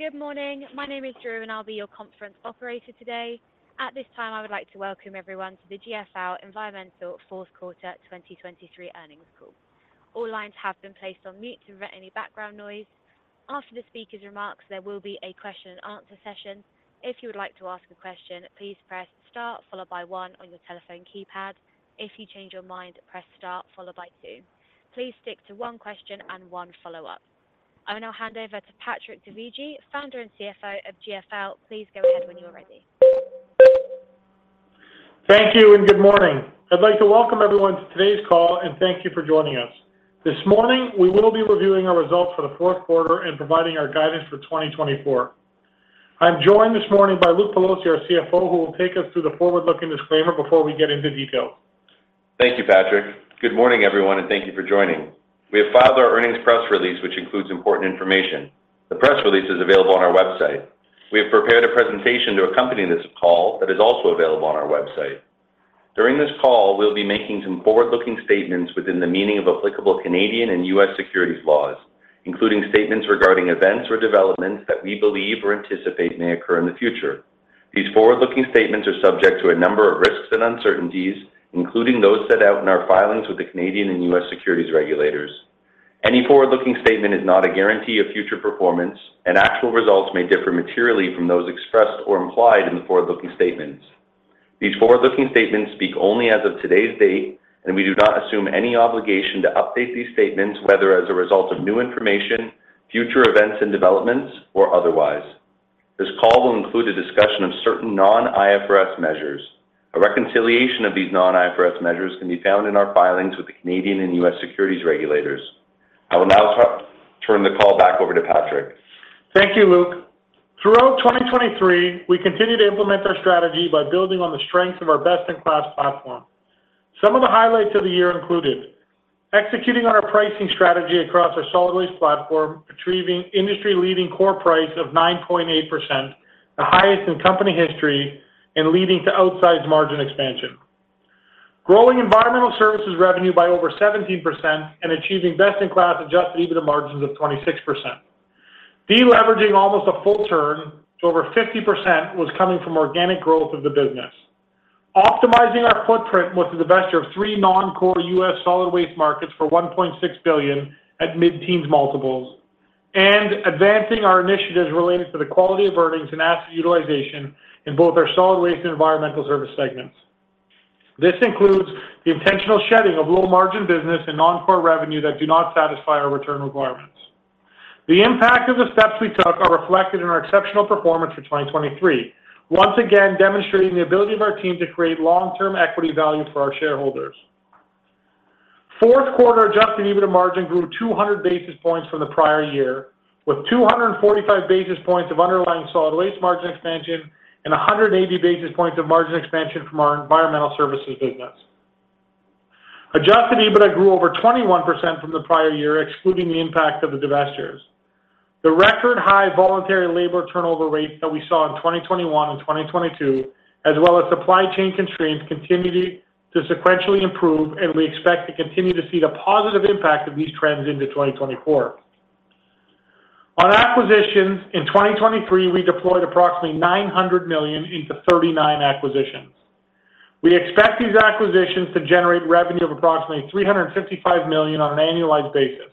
Good morning. My name is Drew, and I'll be your conference operator today. At this time, I would like to welcome everyone to the GFL Environmental Q4 2023 earnings call. All lines have been placed on mute to prevent any background noise. After the speaker's remarks, there will be a question-and-answer session. If you would like to ask a question, please press star followed by one on your telephone keypad. If you change your mind, press star followed by two. Please stick to one question and one follow-up. I will now hand over to Patrick Dovigi, founder and CEO of GFL. Please go ahead when you're ready. Thank you and good morning. I'd like to welcome everyone to today's call and thank you for joining us. This morning, we will be reviewing our results for the Q4 and providing our guidance for 2024. I'm joined this morning by Luke Pelosi, our CFO, who will take us through the forward-looking disclaimer before we get into details. Thank you, Patrick. Good morning, everyone, and thank you for joining. We have filed our earnings press release, which includes important information. The press release is available on our website. We have prepared a presentation to accompany this call that is also available on our website. During this call, we'll be making some forward-looking statements within the meaning of applicable Canadian and U.S. securities laws, including statements regarding events or developments that we believe or anticipate may occur in the future. These forward-looking statements are subject to a number of risks and uncertainties, including those set out in our filings with the Canadian and U.S. securities regulators. Any forward-looking statement is not a guarantee of future performance, and actual results may differ materially from those expressed or implied in the forward-looking statements. These forward-looking statements speak only as of today's date, and we do not assume any obligation to update these statements, whether as a result of new information, future events and developments, or otherwise. This call will include a discussion of certain non-IFRS measures. A reconciliation of these non-IFRS measures can be found in our filings with the Canadian and U.S. securities regulators. I will now turn the call back over to Patrick. Thank you, Luke. Throughout 2023, we continue to implement our strategy by building on the strengths of our best-in-class platform. Some of the highlights of the year included: executing on our pricing strategy across our solid waste platform, achieving industry-leading core price of 9.8%, the highest in company history, and leading to outsized margin expansion. Growing environmental services revenue by over 17% and achieving best-in-class adjusted EBITDA margins of 26%. De-leveraging almost a full turn to over 50% was coming from organic growth of the business. Optimizing our footprint with the divestiture of three non-core U.S. solid waste markets for $1.6 billion at mid-teens multiples. And advancing our initiatives related to the quality of earnings and asset utilization in both our solid waste and environmental service segments. This includes the intentional shedding of low-margin business and non-core revenue that do not satisfy our return requirements. The impact of the steps we took is reflected in our exceptional performance for 2023, once again demonstrating the ability of our team to create long-term equity value for our shareholders. Fourth quarter adjusted EBITDA margin grew 200 basis points from the prior year, with 245 basis points of underlying solid waste margin expansion and 180 basis points of margin expansion from our environmental services business. Adjusted EBITDA grew over 21% from the prior year, excluding the impact of the divestitures. The record high voluntary labor turnover rate that we saw in 2021 and 2022, as well as supply chain constraints, continued to sequentially improve, and we expect to continue to see the positive impact of these trends into 2024. On acquisitions, in 2023, we deployed approximately $900 million into 39 acquisitions. We expect these acquisitions to generate revenue of approximately $355 million on an annualized basis.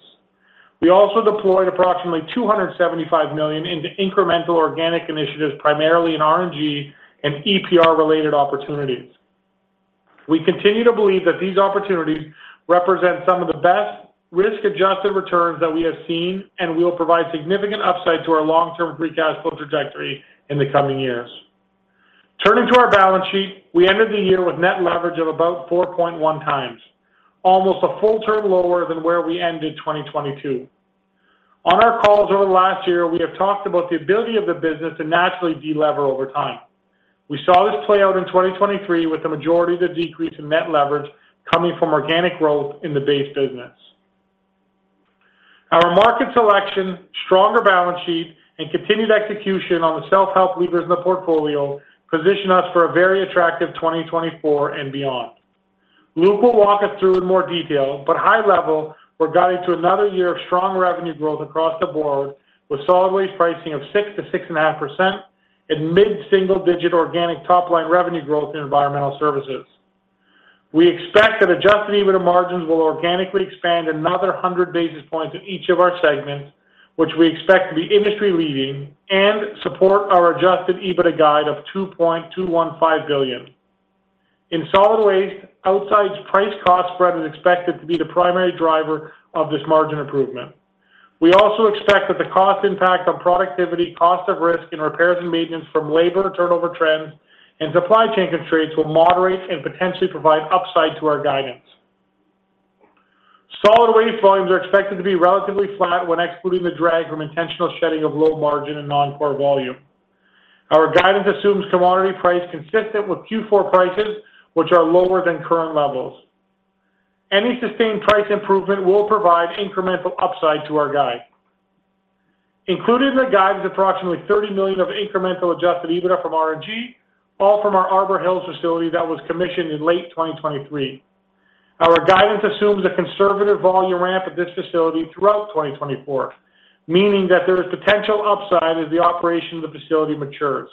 We also deployed approximately $275 million into incremental organic initiatives, primarily in RNG and EPR-related opportunities. We continue to believe that these opportunities represent some of the best risk-adjusted returns that we have seen, and we will provide significant upside to our long-term free cash flow trajectory in the coming years. Turning to our balance sheet, we ended the year with net leverage of about 4.1 times, almost a full turn lower than where we ended 2022. On our calls over the last year, we have talked about the ability of the business to naturally de-lever over time. We saw this play out in 2023, with the majority of the decrease in net leverage coming from organic growth in the base business. Our market selection, stronger balance sheet, and continued execution on the self-help levers in the portfolio position us for a very attractive 2024 and beyond. Luke will walk us through in more detail, but high level, we're guided to another year of strong revenue growth across the board, with Solid Waste pricing of 6%-6.5% and mid-single-digit organic top-line revenue growth in environmental services. We expect that Adjusted EBITDA margins will organically expand another 100 basis points in each of our segments, which we expect to be industry-leading and support our Adjusted EBITDA guide of $2.215 billion. In Solid Waste, Solid Waste's price-cost spread is expected to be the primary driver of this margin improvement. We also expect that the cost impact on productivity, cost of risk in repairs and maintenance from labor turnover trends, and supply chain constraints will moderate and potentially provide upside to our guidance. Solid Waste volumes are expected to be relatively flat when excluding the drag from intentional shedding of low margin and non-core volume. Our guidance assumes commodity price consistent with Q4 prices, which are lower than current levels. Any sustained price improvement will provide incremental upside to our guide. Included in the guide is approximately $30 million of incremental adjusted EBITDA from RNG, all from our Arbor Hills facility that was commissioned in late 2023. Our guidance assumes a conservative volume ramp at this facility throughout 2024, meaning that there is potential upside as the operation of the facility matures.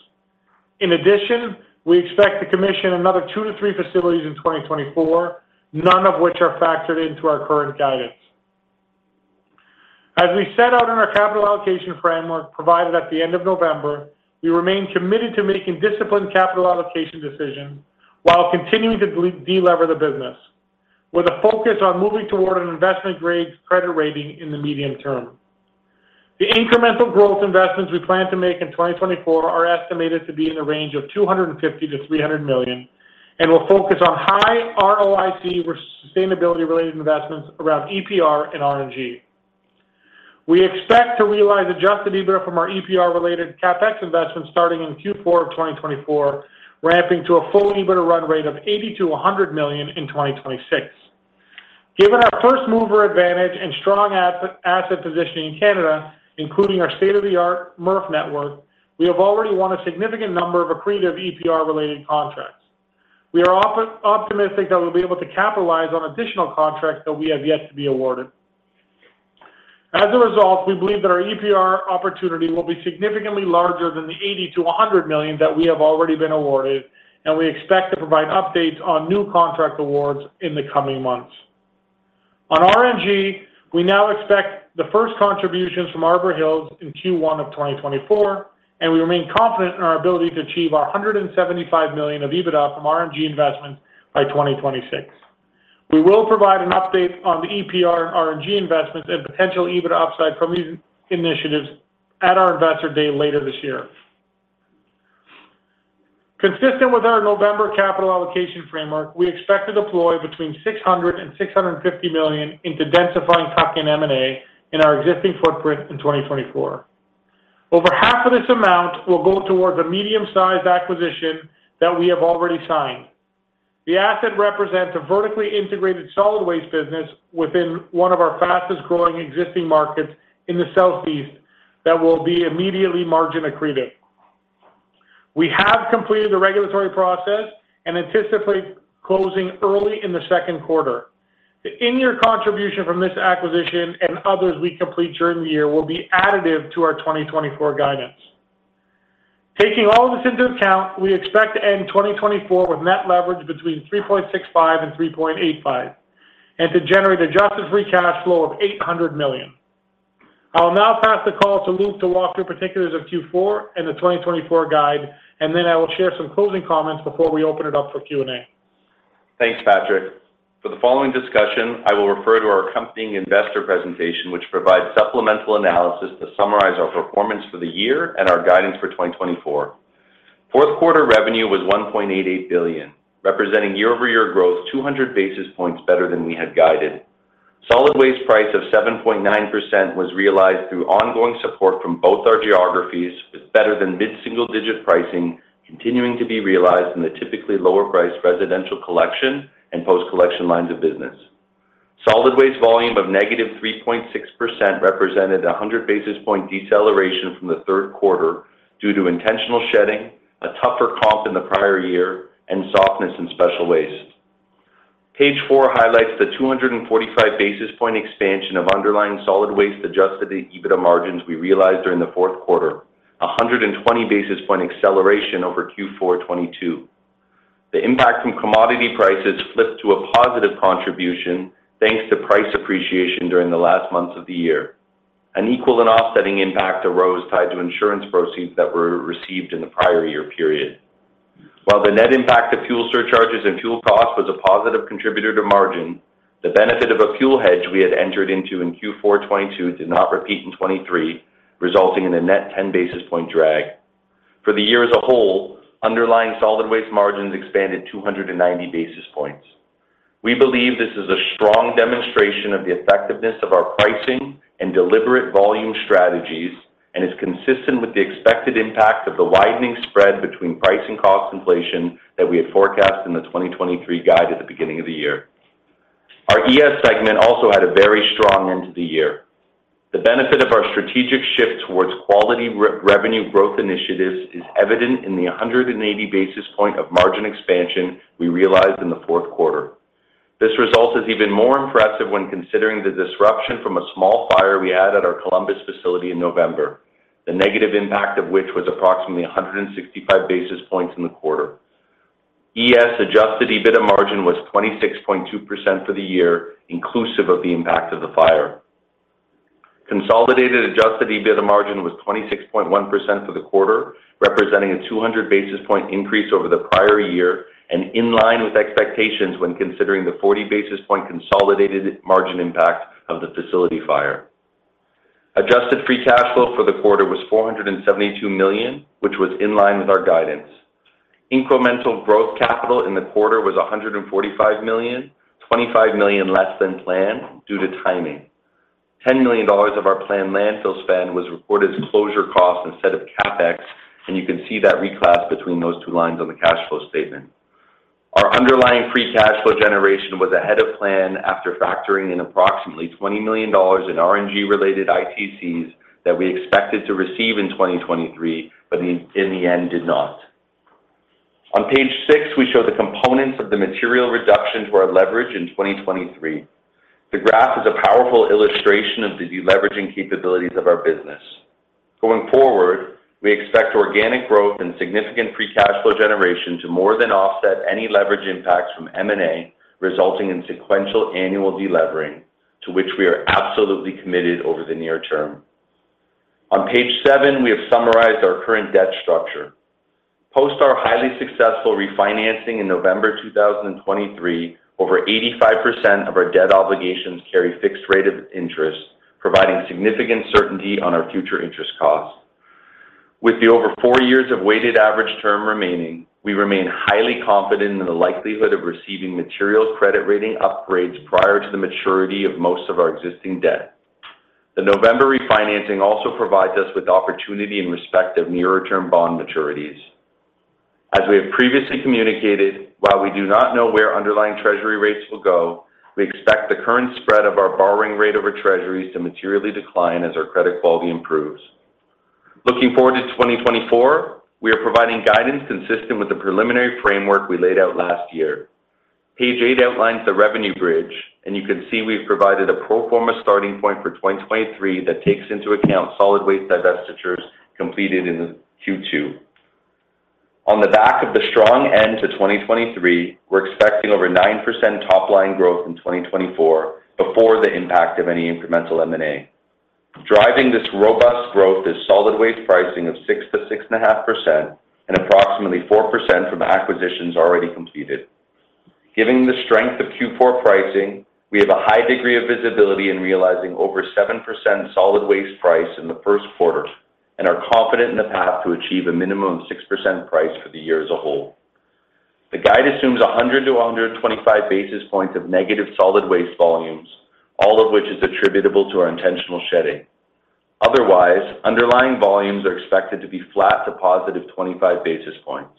In addition, we expect to commission another 2-3 facilities in 2024, none of which are factored into our current guidance. As we set out in our capital allocation framework provided at the end of November, we remain committed to making disciplined capital allocation decisions while continuing to de-lever the business, with a focus on moving toward an investment-grade credit rating in the medium term. The incremental growth investments we plan to make in 2024 are estimated to be in the range of $250 million-$300 million and will focus on high ROIC sustainability-related investments around EPR and RNG. We expect to realize adjusted EBITDA from our EPR-related CapEx investments starting in Q4 of 2024, ramping to a full EBITDA run rate of $80 million-$100 million in 2026. Given our first mover advantage and strong asset positioning in Canada, including our state-of-the-art MRF network, we have already won a significant number of accretive EPR-related contracts. We are optimistic that we'll be able to capitalize on additional contracts that we have yet to be awarded. As a result, we believe that our EPR opportunity will be significantly larger than the $80 million-$100 million that we have already been awarded, and we expect to provide updates on new contract awards in the coming months. On RNG, we now expect the first contributions from Arbor Hills in Q1 of 2024, and we remain confident in our ability to achieve our $175 million of EBITDA from RNG investments by 2026. We will provide an update on the EPR and RNG investments and potential EBITDA upside from these initiatives at our investor day later this year. Consistent with our November capital allocation framework, we expect to deploy between $600 million and $650 million into densifying tuck-in M&A in our existing footprint in 2024. Over half of this amount will go towards a medium-sized acquisition that we have already signed. The asset represents a vertically integrated solid waste business within one of our fastest-growing existing markets in the Southeast that will be immediately margin accretive. We have completed the regulatory process and anticipate closing early in the second quarter. The in-year contribution from this acquisition and others we complete during the year will be additive to our 2024 guidance. Taking all of this into account, we expect to end 2024 with net leverage between 3.65 and 3.85 and to generate adjusted free cash flow of $800 million. I will now pass the call to Luke to walk through particulars of Q4 and the 2024 guide, and then I will share some closing comments before we open it up for Q&A. Thanks, Patrick. For the following discussion, I will refer to our accompanying investor presentation, which provides supplemental analysis to summarize our performance for the year and our guidance for 2024. Fourth quarter revenue was $1.88 billion, representing year-over-year growth 200 basis points better than we had guided. Solid Waste price of 7.9% was realized through ongoing support from both our geographies, with better than mid-single digit pricing continuing to be realized in the typically lower-priced residential collection and post-collection lines of business. Solid Waste volume of -3.6% represented 100 basis point deceleration from the third quarter due to intentional shedding, a tougher comp in the prior year, and softness in special waste. Page 4 highlights the 245 basis point expansion of underlying Solid Waste Adjusted EBITDA margins we realized during the fourth quarter, 120 basis point acceleration over Q4 2022. The impact from commodity prices flipped to a positive contribution thanks to price appreciation during the last months of the year. An equal and offsetting impact arose tied to insurance proceeds that were received in the prior year period. While the net impact of fuel surcharges and fuel costs was a positive contributor to margin, the benefit of a fuel hedge we had entered into in Q4 2022 did not repeat in 2023, resulting in a net 10 basis points drag. For the year as a whole, underlying Solid Waste margins expanded 290 basis points. We believe this is a strong demonstration of the effectiveness of our pricing and deliberate volume strategies and is consistent with the expected impact of the widening spread between pricing cost inflation that we had forecast in the 2023 guide at the beginning of the year. Our ES segment also had a very strong end to the year. The benefit of our strategic shift towards quality revenue growth initiatives is evident in the 180 basis points of margin expansion we realized in the fourth quarter. This result is even more impressive when considering the disruption from a small fire we had at our Columbus facility in November, the negative impact of which was approximately 165 basis points in the quarter. ES Adjusted EBITDA margin was 26.2% for the year, inclusive of the impact of the fire. Consolidated Adjusted EBITDA margin was 26.1% for the quarter, representing a 200 basis points increase over the prior year and in line with expectations when considering the 40 basis points consolidated margin impact of the facility fire. Adjusted Free Cash Flow for the quarter was $472 million, which was in line with our guidance. Incremental growth capital in the quarter was $145 million, $25 million less than planned due to timing. $10 million of our planned landfill spend was recorded as closure costs instead of CapEx, and you can see that reclass between those two lines on the cash flow statement. Our underlying free cash flow generation was ahead of plan after factoring in approximately $20 million in RNG-related ITCs that we expected to receive in 2023, but in the end did not. On page 6, we show the components of the material reduction to our leverage in 2023. The graph is a powerful illustration of the de-leveraging capabilities of our business. Going forward, we expect organic growth and significant free cash flow generation to more than offset any leverage impacts from M&A resulting in sequential annual de-levering, to which we are absolutely committed over the near term. On page 7, we have summarized our current debt structure. Post our highly successful refinancing in November 2023, over 85% of our debt obligations carry fixed rate of interest, providing significant certainty on our future interest costs. With the over 4 years of weighted average term remaining, we remain highly confident in the likelihood of receiving material credit rating upgrades prior to the maturity of most of our existing debt. The November refinancing also provides us with opportunity in respect of nearer-term bond maturities. As we have previously communicated, while we do not know where underlying treasury rates will go, we expect the current spread of our borrowing rate over treasuries to materially decline as our credit quality improves. Looking forward to 2024, we are providing guidance consistent with the preliminary framework we laid out last year. Page 8 outlines the revenue bridge, and you can see we've provided a pro forma starting point for 2023 that takes into account solid waste divestitures completed in Q2. On the back of the strong end to 2023, we're expecting over 9% top-line growth in 2024 before the impact of any incremental M&A. Driving this robust growth is solid waste pricing of 6%-6.5% and approximately 4% from acquisitions already completed. Given the strength of Q4 pricing, we have a high degree of visibility in realizing over 7% solid waste price in the first quarter and are confident in the path to achieve a minimum of 6% price for the year as a whole. The guide assumes 100-125 basis points of negative solid waste volumes, all of which is attributable to our intentional shedding. Otherwise, underlying volumes are expected to be flat to positive 25 basis points,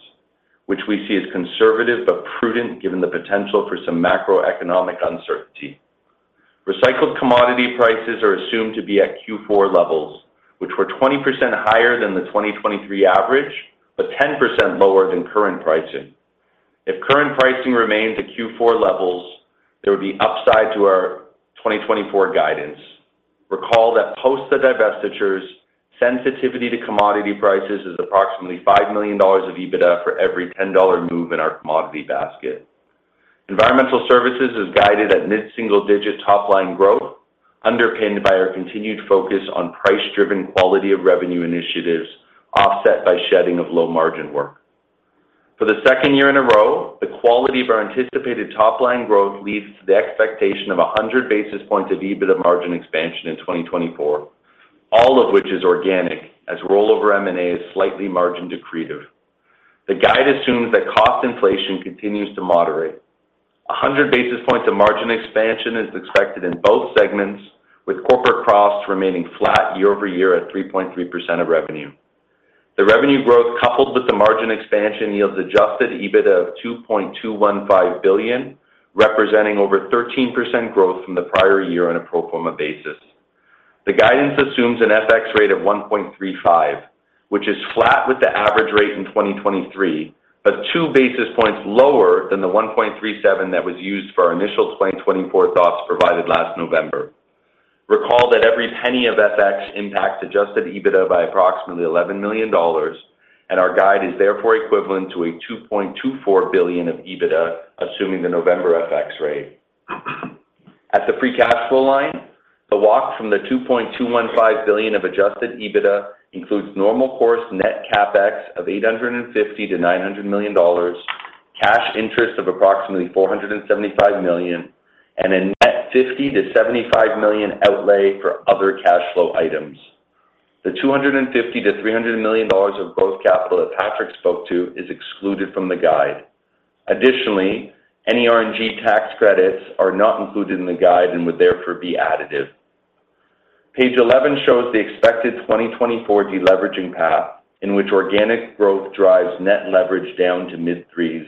which we see as conservative but prudent given the potential for some macroeconomic uncertainty. Recycled commodity prices are assumed to be at Q4 levels, which were 20% higher than the 2023 average but 10% lower than current pricing. If current pricing remains at Q4 levels, there would be upside to our 2024 guidance. Recall that post the divestitures, sensitivity to commodity prices is approximately $5 million of EBITDA for every $10 move in our commodity basket. Environmental services is guided at mid-single digit top-line growth, underpinned by our continued focus on price-driven quality of revenue initiatives offset by shedding of low-margin work. For the second year in a row, the quality of our anticipated top-line growth leads to the expectation of 100 basis points of EBITDA margin expansion in 2024, all of which is organic as rollover M&A is slightly margin decretive. The guide assumes that cost inflation continues to moderate. 100 basis points of margin expansion is expected in both segments, with corporate costs remaining flat year-over-year at 3.3% of revenue. The revenue growth coupled with the margin expansion yields adjusted EBITDA of $2.215 billion, representing over 13% growth from the prior year on a pro forma basis. The guidance assumes an FX rate of 1.35, which is flat with the average rate in 2023 but two basis points lower than the 1.37 that was used for our initial 2024 thoughts provided last November. Recall that every penny of FX impacts adjusted EBITDA by approximately $11 million, and our guide is therefore equivalent to $2.24 billion of EBITDA assuming the November FX rate. At the free cash flow line, the walk from the $2.215 billion of adjusted EBITDA includes normal course net CapEx of $850 million-$900 million, cash interest of approximately $475 million, and a net $50 million-$75 million outlay for other cash flow items. The $250 million-$300 million of growth capital that Patrick spoke to is excluded from the guide. Additionally, any RNG tax credits are not included in the guide and would therefore be additive. Page 11 shows the expected 2024 de-leveraging path in which organic growth drives net leverage down to mid-threes.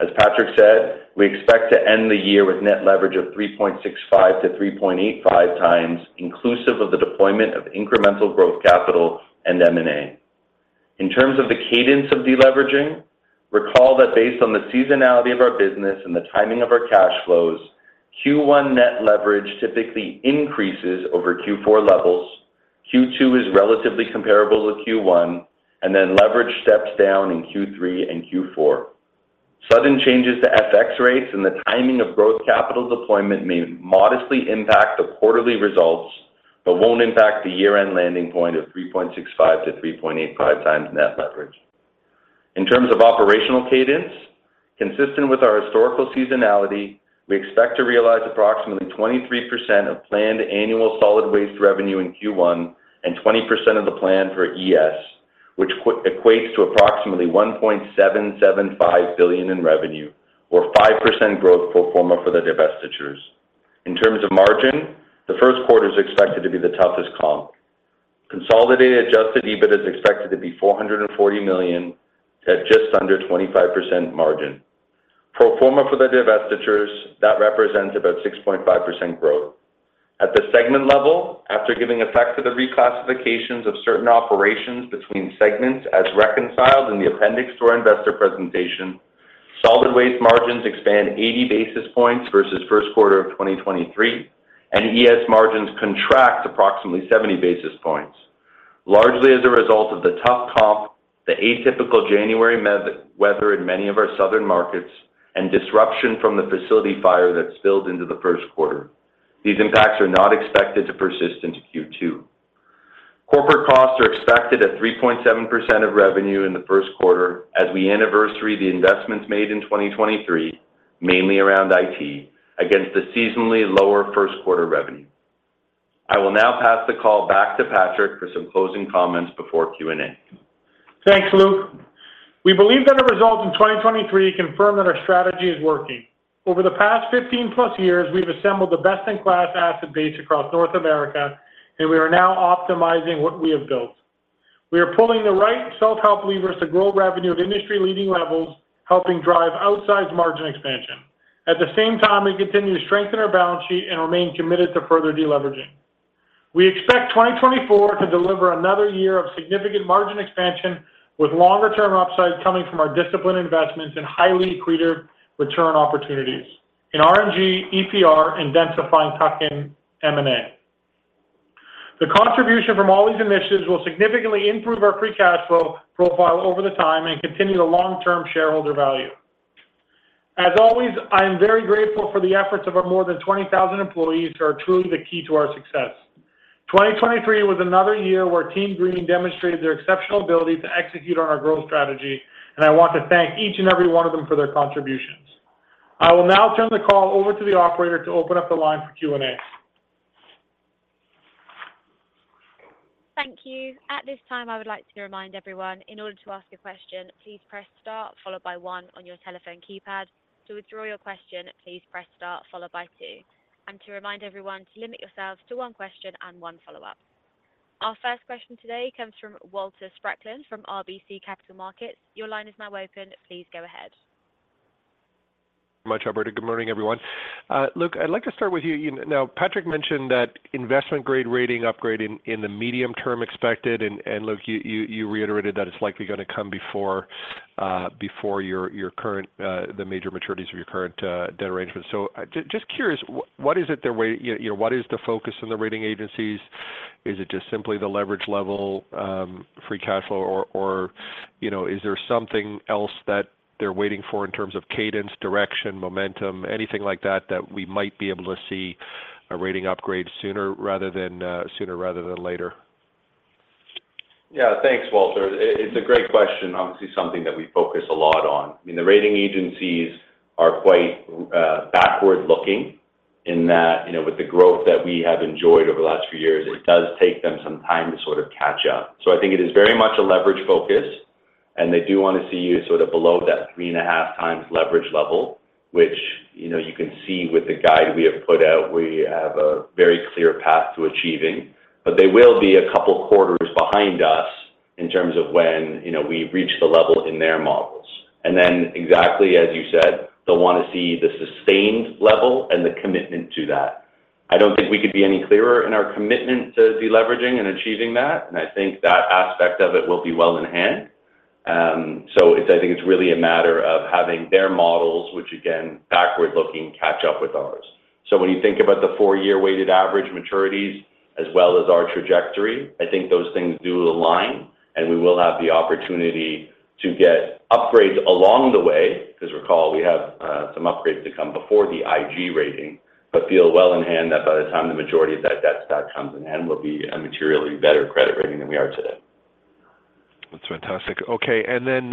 As Patrick said, we expect to end the year with net leverage of 3.65-3.85 times, inclusive of the deployment of incremental growth capital and M&A. In terms of the cadence of de-leveraging, recall that based on the seasonality of our business and the timing of our cash flows, Q1 net leverage typically increases over Q4 levels, Q2 is relatively comparable to Q1, and then leverage steps down in Q3 and Q4. Sudden changes to FX rates and the timing of growth capital deployment may modestly impact the quarterly results but won't impact the year-end landing point of 3.65-3.85 times net leverage. In terms of operational cadence, consistent with our historical seasonality, we expect to realize approximately 23% of planned annual Solid Waste revenue in Q1 and 20% of the plan for ES, which equates to approximately $1.775 billion in revenue or 5% growth pro forma for the divestitures. In terms of margin, the first quarter is expected to be the toughest comp. Consolidated Adjusted EBITDA is expected to be $440 million at just under 25% margin. Pro forma for the divestitures, that represents about 6.5% growth. At the segment level, after giving effect to the reclassifications of certain operations between segments as reconciled in the appendix to our investor presentation, Solid Waste margins expand 80 basis points versus first quarter of 2023, and ES margins contract approximately 70 basis points, largely as a result of the tough comp, the atypical January weather in many of our southern markets, and disruption from the facility fire that spilled into the first quarter. These impacts are not expected to persist into Q2. Corporate costs are expected at 3.7% of revenue in the first quarter as we anniversary the investments made in 2023, mainly around IT, against the seasonally lower first quarter revenue. I will now pass the call back to Patrick for some closing comments before Q&A. Thanks, Luke. We believe that our results in 2023 confirm that our strategy is working. Over the past 15+ years, we've assembled the best-in-class asset base across North America, and we are now optimizing what we have built. We are pulling the right self-help levers to grow revenue at industry-leading levels, helping drive outsized margin expansion. At the same time, we continue to strengthen our balance sheet and remain committed to further de-leveraging. We expect 2024 to deliver another year of significant margin expansion with longer-term upside coming from our disciplined investments and highly accretive return opportunities in RNG, EPR, and densifying tuck-in M&A. The contribution from all these initiatives will significantly improve our free cash flow profile over time and continue the long-term shareholder value. As always, I am very grateful for the efforts of our more than 20,000 employees who are truly the key to our success. 2023 was another year where Team Green demonstrated their exceptional ability to execute on our growth strategy, and I want to thank each and every one of them for their contributions. I will now turn the call over to the operator to open up the line for Q&A. Thank you. At this time, I would like to remind everyone, in order to ask a question, please press star followed by 1 on your telephone keypad. To withdraw your question, please press star followed by 2. To remind everyone to limit yourselves to one question and one follow-up. Our first question today comes from Walter Spracklin from RBC Capital Markets. Your line is now open. Please go ahead. Thank you very much, Albert. Good morning, everyone. Luke, I'd like to start with you. Now, Patrick mentioned that investment-grade rating upgrade in the medium term expected, and Luke, you reiterated that it's likely going to come before your current major maturities of your debt arrangement. So just curious, what is it they're waiting for? What is the focus in the rating agencies? Is it just simply the leverage level, free cash flow, or is there something else that they're waiting for in terms of cadence, direction, momentum, anything like that that we might be able to see a rating upgrade sooner rather than later? Yeah. Thanks, Walter. It's a great question, obviously something that we focus a lot on. I mean, the rating agencies are quite backward-looking in that with the growth that we have enjoyed over the last few years, it does take them some time to sort of catch up. So I think it is very much a leverage focus, and they do want to see you sort of below that 3.5x leverage level, which you can see with the guide we have put out. We have a very clear path to achieving, but they will be a couple quarters behind us in terms of when we reach the level in their models. And then, exactly as you said, they'll want to see the sustained level and the commitment to that. I don't think we could be any clearer in our commitment to de-leveraging and achieving that, and I think that aspect of it will be well in hand. So I think it's really a matter of having their models, which, again, backward-looking, catch up with ours. So when you think about the four-year weighted average maturities as well as our trajectory, I think those things do align, and we will have the opportunity to get upgrades along the way because recall, we have some upgrades to come before the IG rating, but feel well in hand that by the time the majority of that debt stat comes in hand, we'll be a materially better credit rating than we are today. That's fantastic. Okay. And then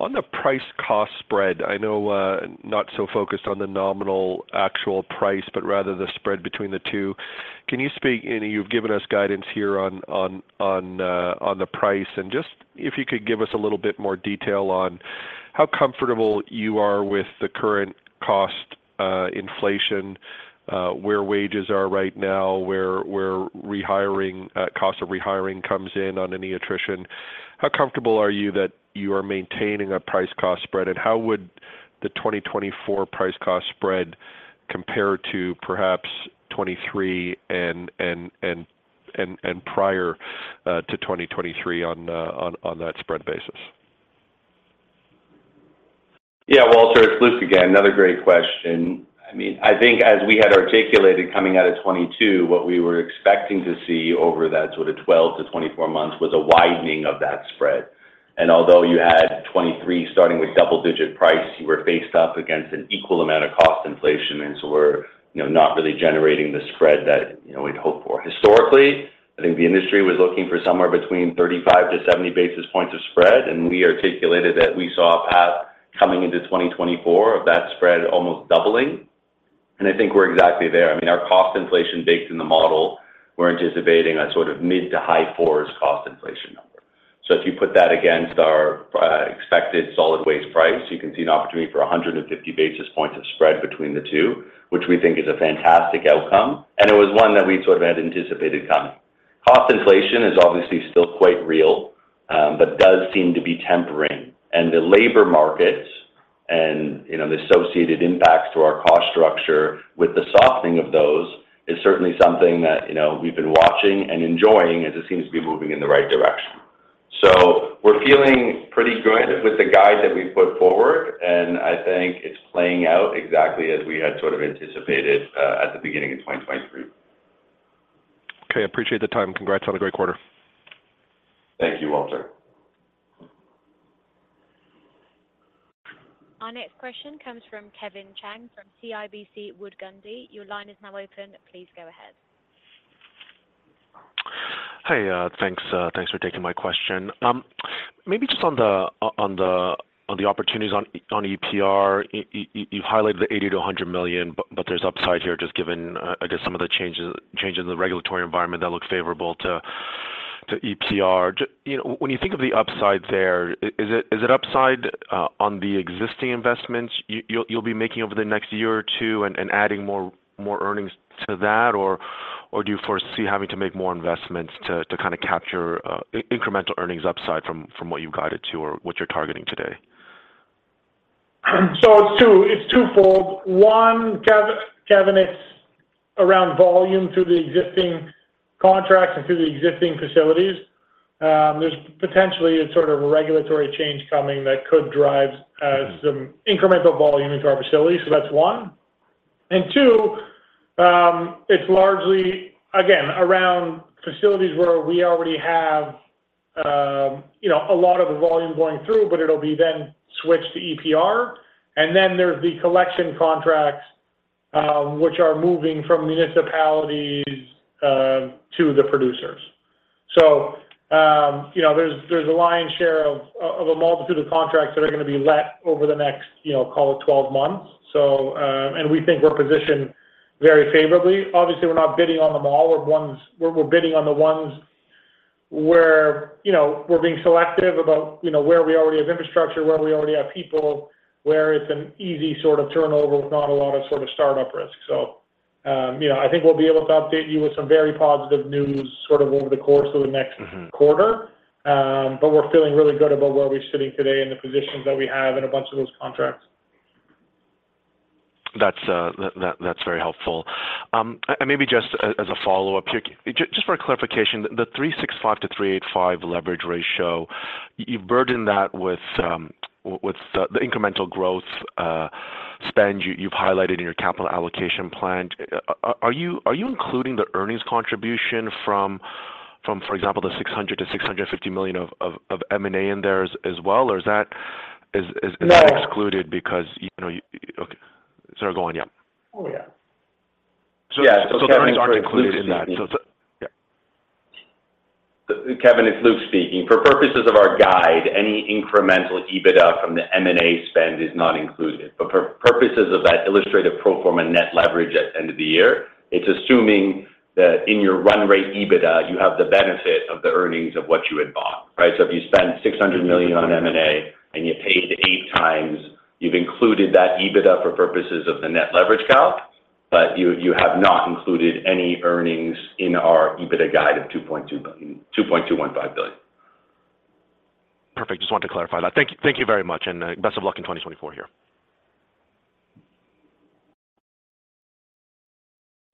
on the price-cost spread, I know not so focused on the nominal actual price but rather the spread between the two. Can you speak you've given us guidance here on the price, and just if you could give us a little bit more detail on how comfortable you are with the current cost inflation, where wages are right now, where cost of rehiring comes in on any attrition, how comfortable are you that you are maintaining a price-cost spread, and how would the 2024 price-cost spread compare to perhaps 2023 and prior to 2023 on that spread basis? Yeah, Walter. It's Luke again. Another great question. I mean, I think as we had articulated coming out of 2022, what we were expecting to see over that sort of 12-24 months was a widening of that spread. And although you had 2023 starting with double-digit price, you were faced up against an equal amount of cost inflation, and so we're not really generating the spread that we'd hoped for. Historically, I think the industry was looking for somewhere between 35-70 basis points of spread, and we articulated that we saw a path coming into 2024 of that spread almost doubling. And I think we're exactly there. I mean, our cost inflation baked in the model, we're anticipating a sort of mid- to high-4s cost inflation number. So if you put that against our expected Solid Waste price, you can see an opportunity for 150 basis points of spread between the two, which we think is a fantastic outcome, and it was one that we sort of had anticipated coming. Cost inflation is obviously still quite real but does seem to be tempering. And the labor markets and the associated impacts to our cost structure with the softening of those is certainly something that we've been watching and enjoying as it seems to be moving in the right direction. So we're feeling pretty good with the guide that we've put forward, and I think it's playing out exactly as we had sort of anticipated at the beginning of 2023. Okay. Appreciate the time. Congrats on a great quarter. Thank you, Walter. Our next question comes from Kevin Chiang from CIBC World Markets. Your line is now open. Please go ahead. Hey. Thanks for taking my question. Maybe just on the opportunities on EPR, you've highlighted the $80 million-$100 million, but there's upside here just given, I guess, some of the changes in the regulatory environment that look favorable to EPR. When you think of the upside there, is it upside on the existing investments you'll be making over the next year or two and adding more earnings to that, or do you foresee having to make more investments to kind of capture incremental earnings upside from what you've guided to or what you're targeting today? So it's twofold. One, Kevin, it's around volume through the existing contracts and through the existing facilities. Potentially, it's sort of a regulatory change coming that could drive some incremental volume into our facilities. So that's one. And two, it's largely, again, around facilities where we already have a lot of the volume going through, but it'll be then switched to EPR. And then there's the collection contracts, which are moving from municipalities to the producers. So there's a lion's share of a multitude of contracts that are going to be let over the next, call it, 12 months, and we think we're positioned very favorably. Obviously, we're not bidding on them all. We're bidding on the ones where we're being selective about where we already have infrastructure, where we already have people, where it's an easy sort of turnover with not a lot of sort of startup risk. I think we'll be able to update you with some very positive news sort of over the course of the next quarter, but we're feeling really good about where we're sitting today and the positions that we have in a bunch of those contracts. That's very helpful. And maybe just as a follow-up here, just for clarification, the 3.65-3.85 leverage ratio, you've burdened that with the incremental growth spend you've highlighted in your capital allocation plan. Are you including the earnings contribution from, for example, the $600-$650 million of M&A in there as well, or is that excluded because okay. Sorry. Go on. Yeah. Oh, yeah. So the earnings aren't included in that. So it's. Kevin, it's Luke speaking. For purposes of our guide, any incremental EBITDA from the M&A spend is not included. But for purposes of that illustrative pro forma net leverage at the end of the year, it's assuming that in your run rate EBITDA, you have the benefit of the earnings of what you had bought, right? So if you spend $600 million on M&A and you paid 8x, you've included that EBITDA for purposes of the net leverage calc, but you have not included any earnings in our EBITDA guide of $2.215 billion. Perfect. Just wanted to clarify that. Thank you very much, and best of luck in 2024 here.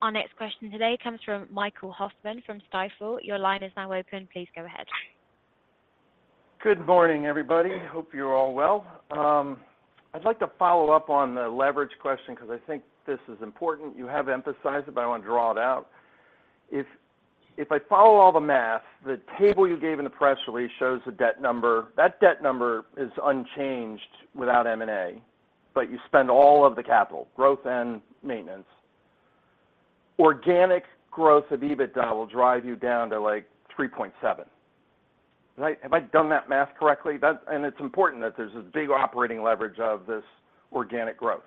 Our next question today comes from Michael Hoffman from Stifel. Your line is now open. Please go ahead. Good morning, everybody. Hope you're all well. I'd like to follow up on the leverage question because I think this is important. You have emphasized it, but I want to draw it out. If I follow all the math, the table you gave in the press release shows the debt number that debt number is unchanged without M&A, but you spend all of the capital, growth and maintenance, organic growth of EBITDA will drive you down to 3.7. Have I done that math correctly? It's important that there's a big operating leverage of this organic growth.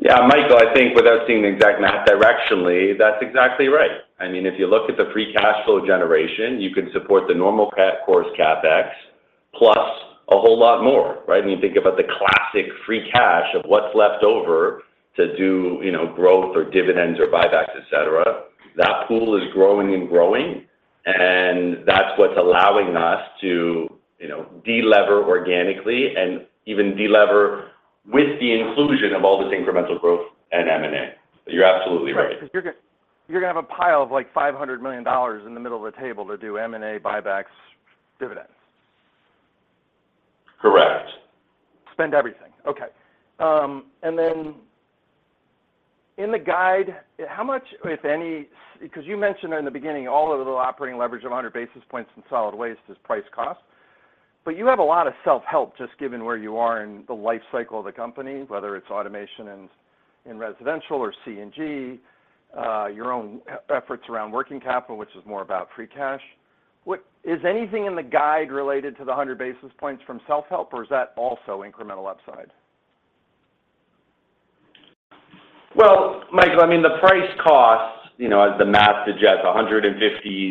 Yeah. Michael, I think without seeing the exact math directionally, that's exactly right. I mean, if you look at the free cash flow generation, you can support the normal course CapEx plus a whole lot more, right? And you think about the classic free cash of what's left over to do growth or dividends or buybacks, etc., that pool is growing and growing, and that's what's allowing us to de-lever organically and even de-lever with the inclusion of all this incremental growth and M&A. You're absolutely right. Right. Because you're going to have a pile of like $500 million in the middle of the table to do M&A, buybacks, dividends. Correct. Spend everything. Okay. Then in the guide, how much, if any, because you mentioned in the beginning all of the operating leverage of 100 basis points in solid waste is price-cost, but you have a lot of self-help just given where you are in the life cycle of the company, whether it's automation in residential or C&I, your own efforts around working capital, which is more about free cash. Is anything in the guide related to the 100 basis points from self-help, or is that also incremental upside? Well, Michael, I mean, the price-cost, as the math suggests, 150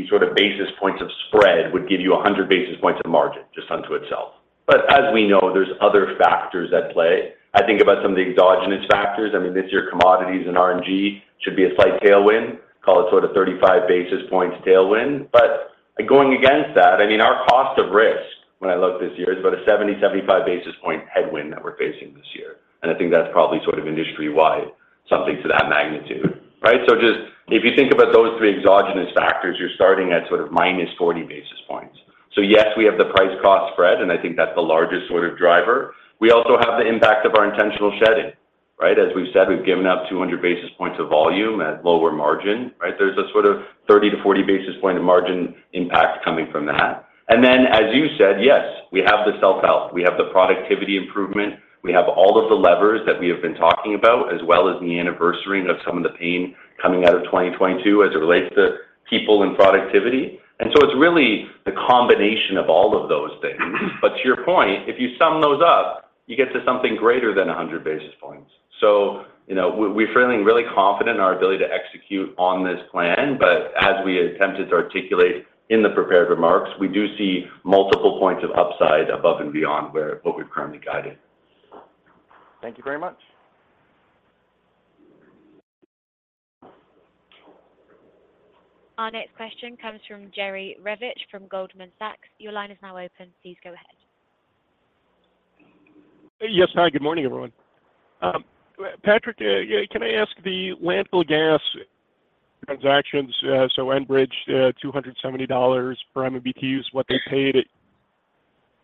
sort of basis points of spread would give you 100 basis points of margin just onto itself. But as we know, there's other factors at play. I think about some of the exogenous factors. I mean, this year, commodities and RNG should be a slight tailwind. Call it sort of 35 basis points tailwind. But going against that, I mean, our cost of risk when I look this year is about a 70-75 basis point headwind that we're facing this year. And I think that's probably sort of industry-wide something to that magnitude, right? So just if you think about those three exogenous factors, you're starting at sort of minus 40 basis points. So yes, we have the price-cost spread, and I think that's the largest sort of driver. We also have the impact of our intentional shedding, right? As we've said, we've given up 200 basis points of volume at lower margin, right? There's a sort of 30-40 basis point of margin impact coming from that. And then, as you said, yes, we have the self-help. We have the productivity improvement. We have all of the levers that we have been talking about as well as the anniversary of some of the pain coming out of 2022 as it relates to people and productivity. And so it's really the combination of all of those things. But to your point, if you sum those up, you get to something greater than 100 basis points. We're feeling really confident in our ability to execute on this plan, but as we attempted to articulate in the prepared remarks, we do see multiple points of upside above and beyond what we've currently guided. Thank you very much. Our next question comes from Jerry Revich from Goldman Sachs. Your line is now open. Please go ahead. Yes. Hi. Good morning, everyone. Patrick, can I ask the landfill gas transactions, so Enbridge $270 per MMBTUs, what they paid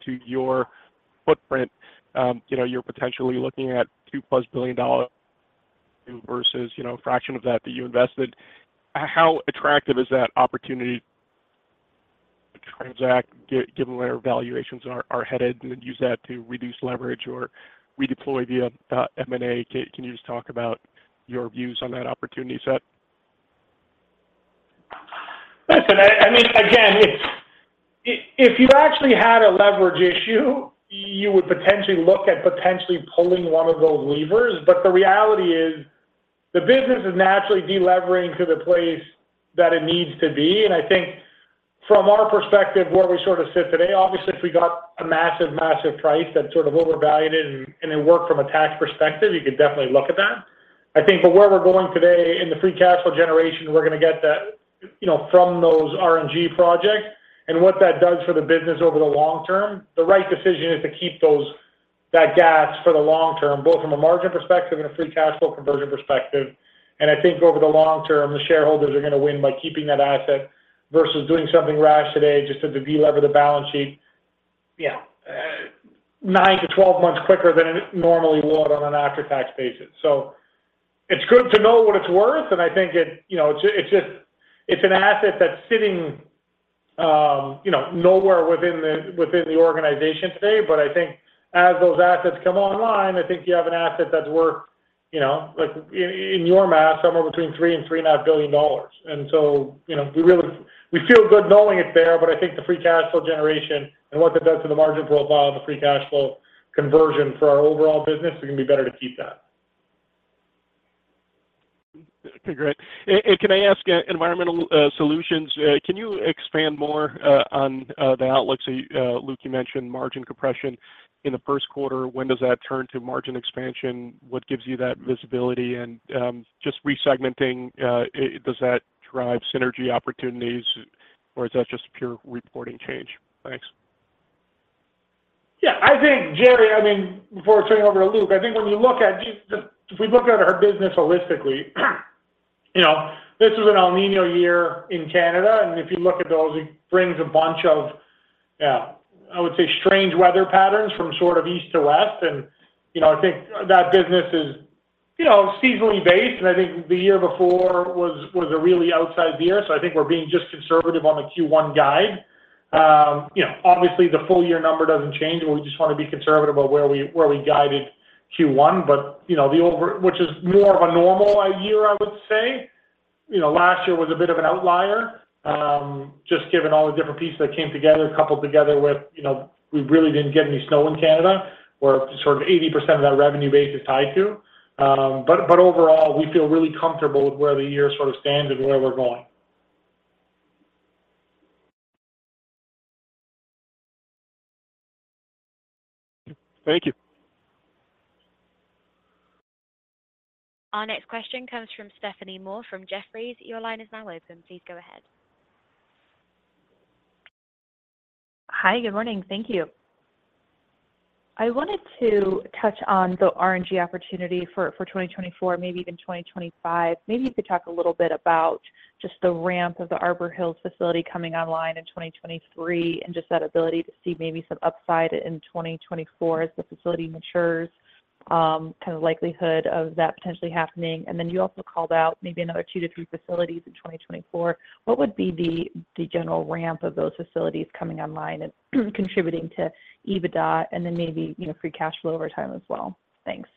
to your footprint? You're potentially looking at $2+ billion versus a fraction of that that you invested. How attractive is that opportunity transact given where valuations are headed and then use that to reduce leverage or redeploy via M&A? Can you just talk about your views on that opportunity set? Listen, I mean, again, if you actually had a leverage issue, you would potentially look at potentially pulling one of those levers. But the reality is the business is naturally de-levering to the place that it needs to be. And I think from our perspective, where we sort of sit today, obviously, if we got a massive, massive price that's sort of overvalued and it worked from a tax perspective, you could definitely look at that, I think. But where we're going today in the free cash flow generation, we're going to get that from those RNG projects. And what that does for the business over the long term, the right decision is to keep that gas for the long term, both from a margin perspective and a free cash flow conversion perspective. I think over the long term, the shareholders are going to win by keeping that asset versus doing something rash today just to de-lever the balance sheet, yeah, 9-12 months quicker than it normally would on an after-tax basis. So it's good to know what it's worth, and I think it's just it's an asset that's sitting nowhere within the organization today. But I think as those assets come online, I think you have an asset that's worth, in your math, somewhere between $3 billion and $3.5 billion. And so we feel good knowing it's there, but I think the free cash flow generation and what that does to the margin profile and the free cash flow conversion for our overall business. It's going to be better to keep that. Okay. Great. Can I ask Environmental Services, can you expand more on the outlooks? Luke, you mentioned margin compression in the first quarter. When does that turn to margin expansion? What gives you that visibility? Just resegmenting, does that drive synergy opportunities, or is that just a pure reporting change? Thanks. Yeah. I think, Jerry, I mean, before turning over to Luke, I think when you look at if we look at her business holistically, this was an El Niño year in Canada. And if you look at those, it brings a bunch of, yeah, I would say, strange weather patterns from sort of east to west. And I think that business is seasonally based, and I think the year before was a really outsized year. So I think we're being just conservative on the Q1 guide. Obviously, the full-year number doesn't change, but we just want to be conservative about where we guided Q1, but the over which is more of a normal year, I would say. Last year was a bit of an outlier just given all the different pieces that came together, coupled together with we really didn't get any snow in Canada where sort of 80% of that revenue base is tied to. But overall, we feel really comfortable with where the year sort of stands and where we're going. Thank you. Our next question comes from Stephanie Moore from Jefferies. Your line is now open. Please go ahead. Hi. Good morning. Thank you. I wanted to touch on the RNG opportunity for 2024, maybe even 2025. Maybe you could talk a little bit about just the ramp of the Arbor Hills facility coming online in 2023 and just that ability to see maybe some upside in 2024 as the facility matures, kind of likelihood of that potentially happening. And then you also called out maybe another 2-3 facilities in 2024. What would be the general ramp of those facilities coming online and contributing to EBITDA and then maybe free cash flow over time as well? Thanks.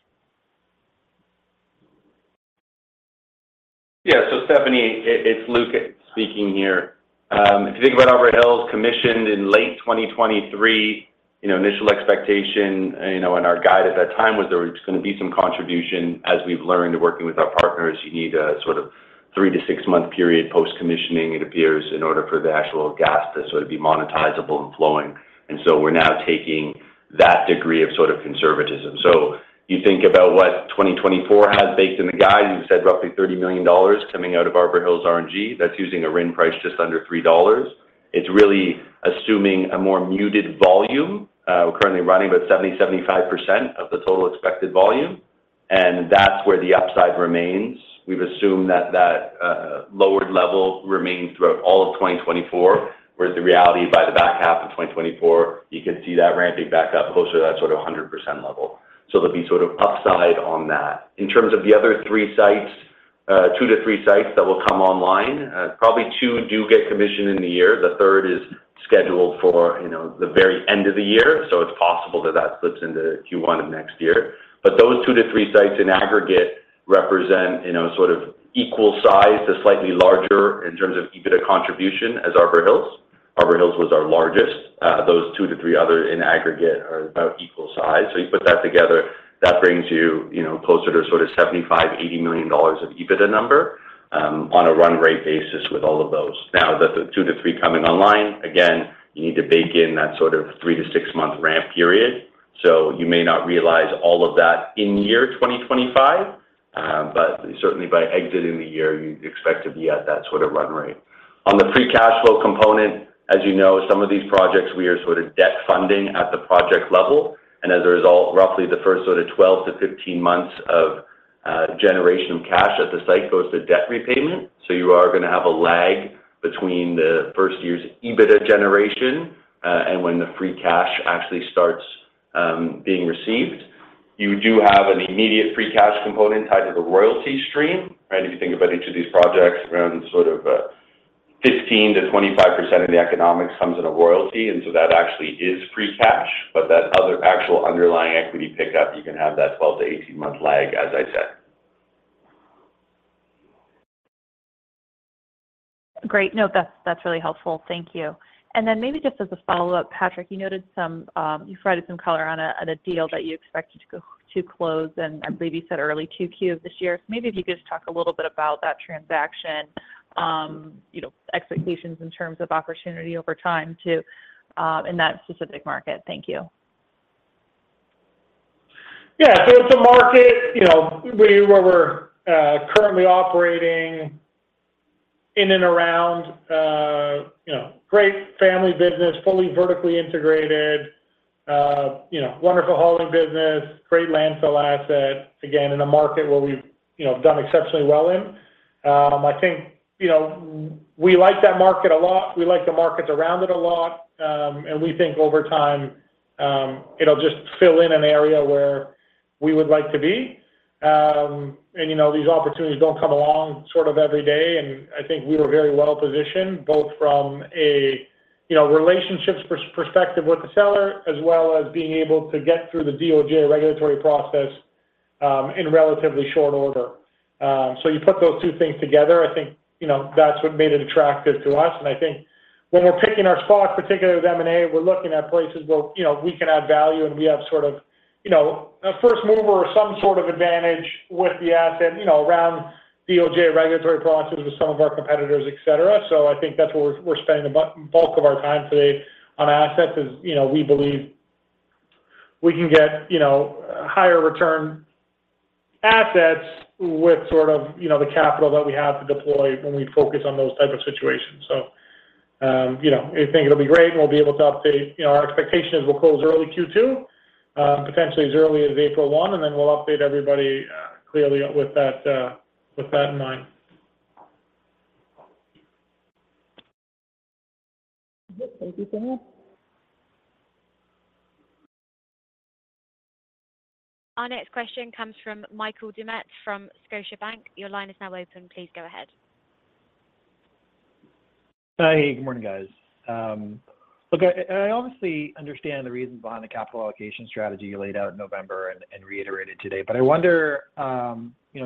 Yeah. So, Stephanie, it's Luke speaking here. If you think about Arbor Hills commissioned in late 2023, initial expectation in our guide at that time was there was going to be some contribution. As we've learned working with our partners, you need a sort of 3-6-month period post-commissioning, it appears, in order for the actual gas to sort of be monetizable and flowing. And so we're now taking that degree of sort of conservatism. So you think about what 2024 has baked in the guide. You said roughly $30 million coming out of Arbor Hills RNG. That's using a RIN price just under $3. It's really assuming a more muted volume. We're currently running about 70%-75% of the total expected volume, and that's where the upside remains. We've assumed that that lowered level remains throughout all of 2024, whereas the reality, by the back half of 2024, you could see that ramping back up closer to that sort of 100% level. So there'll be sort of upside on that. In terms of the other three sites, 2-3 sites that will come online, probably two do get commissioned in the year. The third is scheduled for the very end of the year, so it's possible that that slips into Q1 of next year. But those 2-3 sites in aggregate represent sort of equal size to slightly larger in terms of EBITDA contribution as Arbor Hills. Arbor Hills was our largest. Those 2-3 other in aggregate are about equal size. So you put that together, that brings you closer to sort of $75-$80 million of EBITDA number on a run rate basis with all of those. Now, the 2-3 coming online, again, you need to bake in that sort of 3-6-month ramp period. So you may not realize all of that in year 2025, but certainly, by exiting the year, you'd expect to be at that sort of run rate. On the free cash flow component, as you know, some of these projects, we are sort of debt funding at the project level. And as a result, roughly the first sort of 12-15 months of generation of cash at the site goes to debt repayment. So you are going to have a lag between the first year's EBITDA generation and when the free cash actually starts being received. You do have an immediate free cash component tied to the royalty stream, right? If you think about each of these projects, around sort of 15%-25% of the economics comes in a royalty. And so that actually is free cash, but that other actual underlying equity pickup, you can have that 12-18-month lag, as I said. Great. No, that's really helpful. Thank you. And then maybe just as a follow-up, Patrick, you noted you provided some color on a deal that you expected to close, and I believe you said early 2Q of this year. So maybe if you could just talk a little bit about that transaction, expectations in terms of opportunity over time in that specific market. Thank you. Yeah. So it's a market where we're currently operating in and around, great family business, fully vertically integrated, wonderful hauling business, great landfill asset, again, in a market where we've done exceptionally well in. I think we like that market a lot. We like the markets around it a lot, and we think over time, it'll just fill in an area where we would like to be. And these opportunities don't come along sort of every day. And I think we were very well positioned, both from a relationships perspective with the seller as well as being able to get through the DOJ regulatory process in relatively short order. So you put those two things together, I think that's what made it attractive to us. I think when we're picking our spot, particularly with M&A, we're looking at places where we can add value, and we have sort of a first mover or some sort of advantage with the asset around DOJ regulatory process with some of our competitors, etc. So I think that's where we're spending the bulk of our time today on assets is we believe we can get higher return assets with sort of the capital that we have to deploy when we focus on those type of situations. So we think it'll be great, and we'll be able to update. Our expectation is we'll close early Q2, potentially as early as April 1, and then we'll update everybody clearly with that in mind. Yep. Thank you so much. Our next question comes from Michael Doumet from Scotiabank. Your line is now open. Please go ahead. Hey. Good morning, guys. Look, I obviously understand the reasons behind the capital allocation strategy you laid out in November and reiterated today, but I wonder,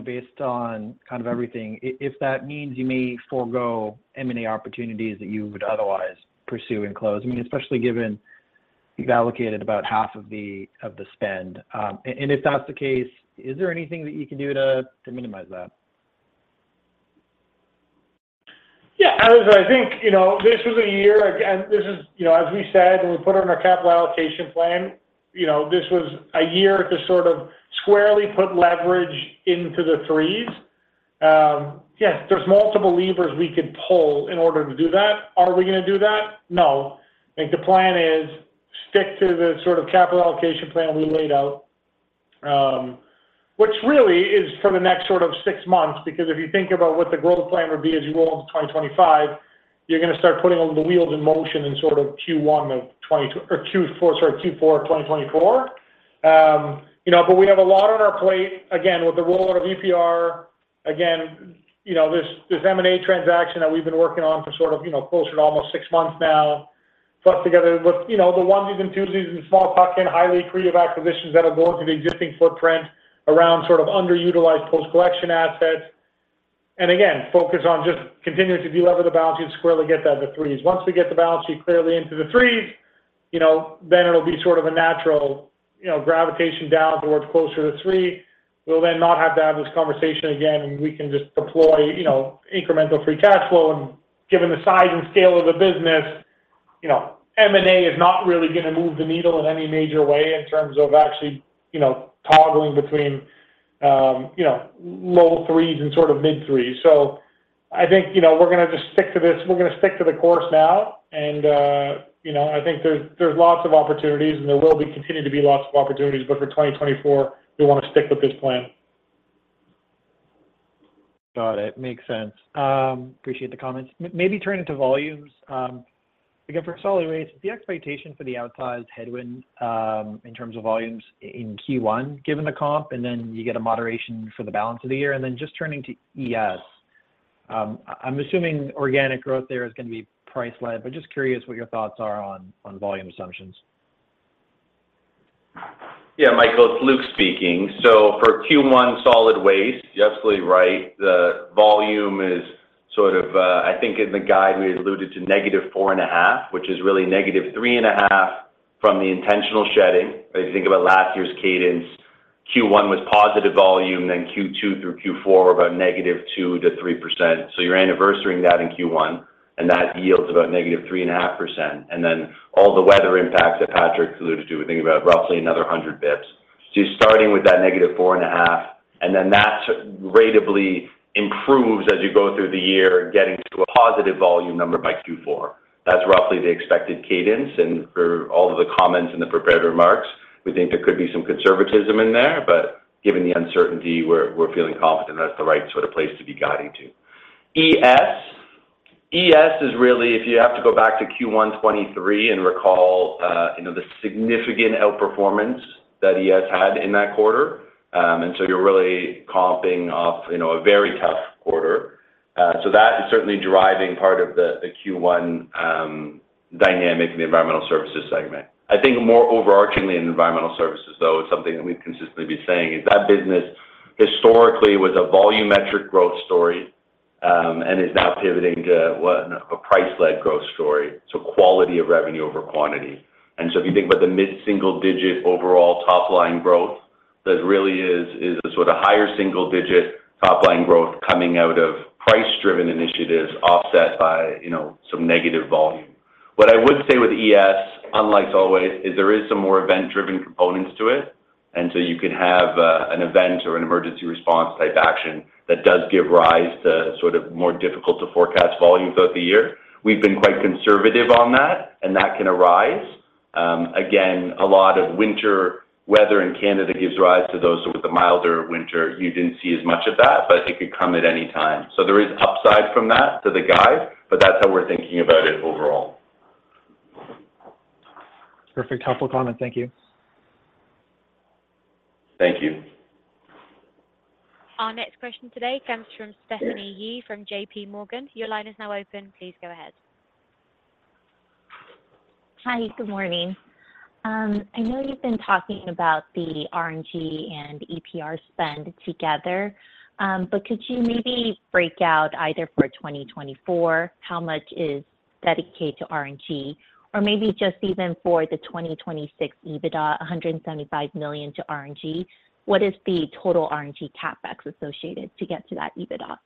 based on kind of everything, if that means you may forego M&A opportunities that you would otherwise pursue and close, I mean, especially given you've allocated about half of the spend. And if that's the case, is there anything that you can do to minimize that? Yeah. As I think this was a year again, this is, as we said, when we put it on our capital allocation plan, this was a year to sort of squarely put leverage into the threes. Yes, there's multiple levers we could pull in order to do that. Are we going to do that? No. I think the plan is stick to the sort of capital allocation plan we laid out, which really is for the next sort of six months because if you think about what the growth plan would be as you roll into 2025, you're going to start putting all the wheels in motion in sort of Q1 of or Q4 of 2024. But we have a lot on our plate. Again, with the rollout of EPR, again, this M&A transaction that we've been working on for sort of closer to almost 6 months now, plus together with the onesies and twosies and small tuck-in, highly creative acquisitions that will go into the existing footprint around sort of underutilized post-collection assets. And again, focus on just continuing to de-lever the balance sheet and squarely get that to 3s. Once we get the balance sheet clearly into the 3s, then it'll be sort of a natural gravitation down towards closer to 3. We'll then not have to have this conversation again, and we can just deploy incremental free cash flow. And given the size and scale of the business, M&A is not really going to move the needle in any major way in terms of actually toggling between low 3s and sort of mid 3s. I think we're going to just stick to this. We're going to stick to the course now. I think there's lots of opportunities, and there will continue to be lots of opportunities, but for 2024, we want to stick with this plan. Got it. Makes sense. Appreciate the comments. Maybe turning to volumes. Again, for Solid Waste, the expectation for the outsized headwind in terms of volumes in Q1 given the comp, and then you get a moderation for the balance of the year. And then just turning to ES, I'm assuming organic growth there is going to be price-led, but just curious what your thoughts are on volume assumptions. Yeah, Michael. It's Luke speaking. So for Q1 Solid Waste, you're absolutely right. The volume is sort of I think in the guide, we alluded to -4.5, which is really -3.5 from the intentional shedding. If you think about last year's cadence, Q1 was positive volume, then Q2 through Q4 were about -2% to -3%. So you're anniversarying that in Q1, and that yields about -3.5%. And then all the weather impacts that Patrick alluded to, we think about roughly another 100 basis points. So you're starting with that -4.5, and then that ratably improves as you go through the year, getting to a positive volume number by Q4. That's roughly the expected cadence. For all of the comments and the prepared remarks, we think there could be some conservatism in there, but given the uncertainty, we're feeling confident that's the right sort of place to be guiding to. ES is really if you have to go back to Q1 2023 and recall the significant outperformance that ES had in that quarter. So you're really comping off a very tough quarter. That is certainly driving part of the Q1 dynamic in the environmental services segment. I think more overarchingly in environmental services, though, it's something that we've consistently been saying is that business historically was a volumetric growth story and is now pivoting to a price-led growth story, so quality of revenue over quantity. If you think about the mid-single-digit overall top-line growth, there really is a sort of higher single-digit top-line growth coming out of price-driven initiatives offset by some negative volume. What I would say with ES, unlike always, is there is some more event-driven components to it. You can have an event or an emergency response-type action that does give rise to sort of more difficult-to-forecast volumes throughout the year. We've been quite conservative on that, and that can arise. Again, a lot of winter weather in Canada gives rise to those sort of the milder winter. You didn't see as much of that, but it could come at any time. So there is upside from that to the guide, but that's how we're thinking about it overall. Perfect. Helpful comment. Thank you. Thank you. Our next question today comes from Stephanie Yee from JP Morgan. Your line is now open. Please go ahead. Hi. Good morning. I know you've been talking about the RNG and EPR spend together, but could you maybe break out either for 2024, how much is dedicated to RNG, or maybe just even for the 2026 EBITDA, $175 million to RNG, what is the total RNG CapEx associated to get to that EBITDA?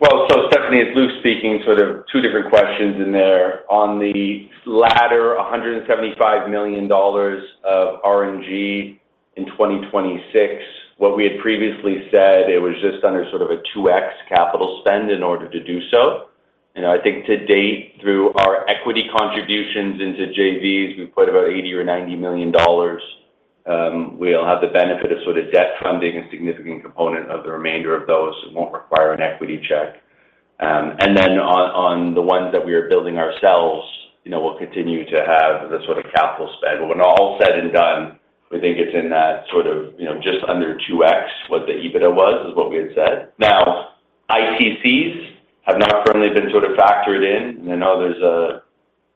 Well, so Stephanie, it's Luke speaking, sort of two different questions in there. On the latter $175 million of RNG in 2026, what we had previously said, it was just under sort of a 2x capital spend in order to do so. I think to date, through our equity contributions into JVs, we've put about $80 million or $90 million. We'll have the benefit of sort of debt funding and significant component of the remainder of those that won't require an equity check. And then on the ones that we are building ourselves, we'll continue to have the sort of capital spend. But when all said and done, we think it's in that sort of just under 2x what the EBITDA was, is what we had said. Now, ITCs have not currently been sort of factored in. I know there's a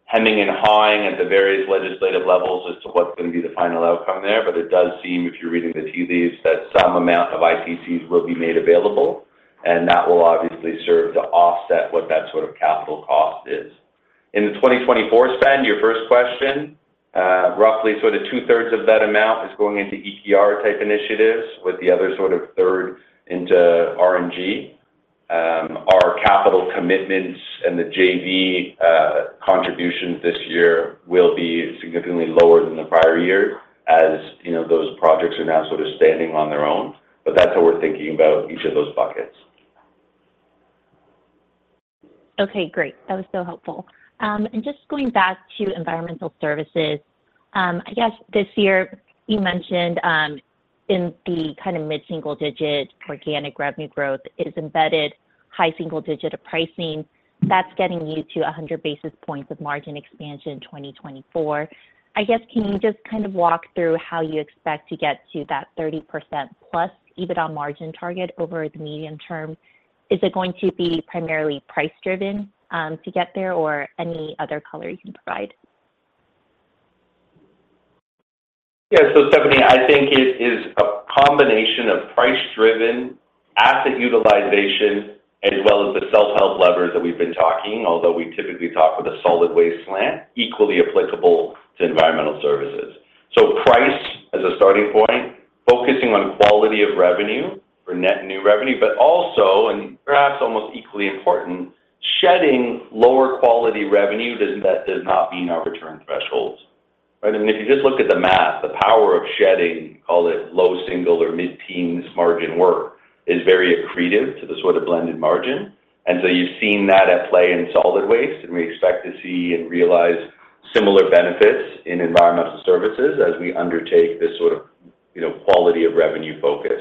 hemming and hawing at the various legislative levels as to what's going to be the final outcome there, but it does seem, if you're reading the tea leaves, that some amount of ITCs will be made available, and that will obviously serve to offset what that sort of capital cost is. In the 2024 spend, your first question, roughly sort of two-thirds of that amount is going into EPR-type initiatives with the other sort of third into RNG. Our capital commitments and the JV contributions this year will be significantly lower than the prior years as those projects are now sort of standing on their own. That's how we're thinking about each of those buckets. Okay. Great. That was so helpful. And just going back to environmental services, I guess this year, you mentioned in the kind of mid-single-digit organic revenue growth is embedded high single-digit pricing. That's getting you to 100 basis points of margin expansion 2024. I guess can you just kind of walk through how you expect to get to that 30%+ EBITDA margin target over the medium term? Is it going to be primarily price-driven to get there, or any other color you can provide? Yeah. So Stephanie, I think it is a combination of price-driven asset utilization as well as the self-help levers that we've been talking, although we typically talk with a solid waste slant, equally applicable to environmental services. So price as a starting point, focusing on quality of revenue for net new revenue, but also, and perhaps almost equally important, shedding lower quality revenue that does not meet our return thresholds, right? I mean, if you just look at the math, the power of shedding, call it low single or mid-teens margin work, is very accretive to the sort of blended margin. And so you've seen that at play in solid waste, and we expect to see and realize similar benefits in environmental services as we undertake this sort of quality of revenue focus.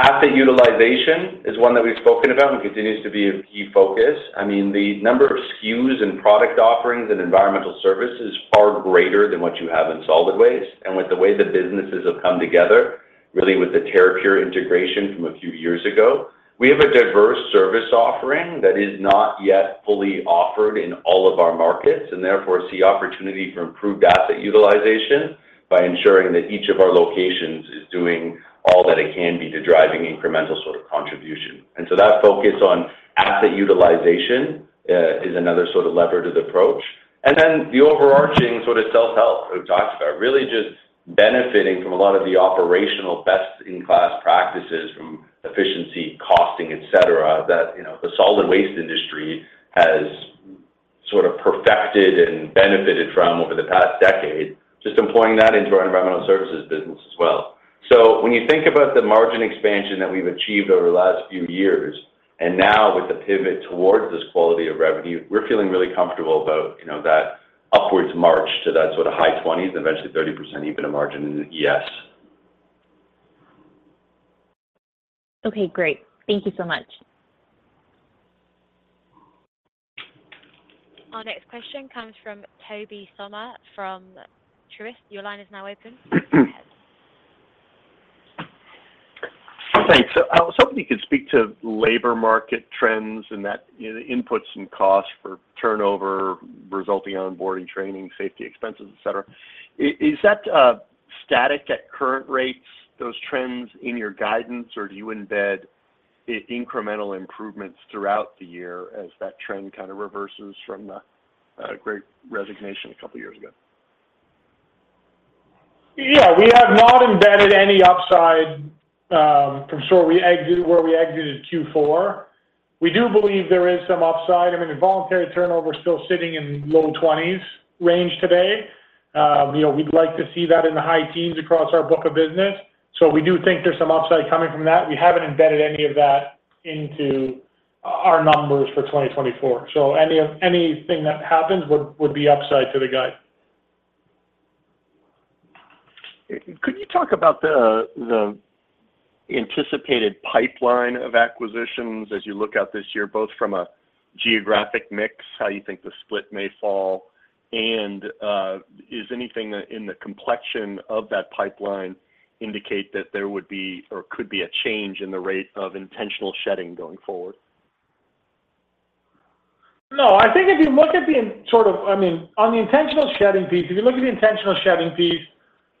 Asset utilization is one that we've spoken about and continues to be a key focus. I mean, the number of SKUs and product offerings in environmental service is far greater than what you have in solid waste. And with the way the businesses have come together, really with the Terrapure integration from a few years ago, we have a diverse service offering that is not yet fully offered in all of our markets and therefore see opportunity for improved asset utilization by ensuring that each of our locations is doing all that it can be to driving incremental sort of contribution. And so that focus on asset utilization is another sort of lever to the approach. And then the overarching sort of self-help we've talked about, really just benefiting from a lot of the operational best-in-class practices from efficiency, costing, etc., that the solid waste industry has sort of perfected and benefited from over the past decade, just employing that into our environmental services business as well. So when you think about the margin expansion that we've achieved over the last few years and now with the pivot towards this quality of revenue, we're feeling really comfortable about that upwards march to that sort of high 20s% and eventually 30% EBITDA margin in the ES. Okay. Great. Thank you so much. Our next question comes from Toby Sommer from Truist. Your line is now open. Thanks. So somebody could speak to labor market trends and the inputs and costs for turnover, resulting onboarding training, safety expenses, etc. Is that static at current rates, those trends in your guidance, or do you embed incremental improvements throughout the year as that trend kind of reverses from the Great Resignation a couple of years ago? Yeah. We have not embedded any upside from where we exited Q4. We do believe there is some upside. I mean, the voluntary turnover is still sitting in low 20s range today. We'd like to see that in the high teens across our book of business. So we do think there's some upside coming from that. We haven't embedded any of that into our numbers for 2024. So anything that happens would be upside to the guide. Could you talk about the anticipated pipeline of acquisitions as you look out this year, both from a geographic mix, how you think the split may fall, and is anything in the complexion of that pipeline indicate that there would be or could be a change in the rate of intentional shedding going forward? No. I think if you look at the sort of—I mean, on the intentional shedding piece—if you look at the intentional shedding piece,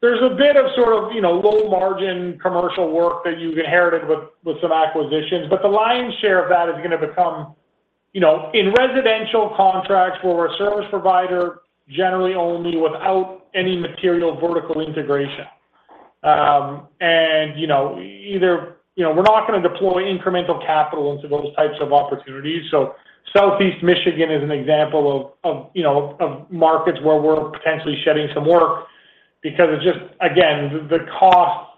there's a bit of sort of low-margin commercial work that you've inherited with some acquisitions, but the lion's share of that is going to become in residential contracts where we're a service provider generally only without any material vertical integration. Either we're not going to deploy incremental capital into those types of opportunities. So Southeast Michigan is an example of markets where we're potentially shedding some work because it's just, again, the cost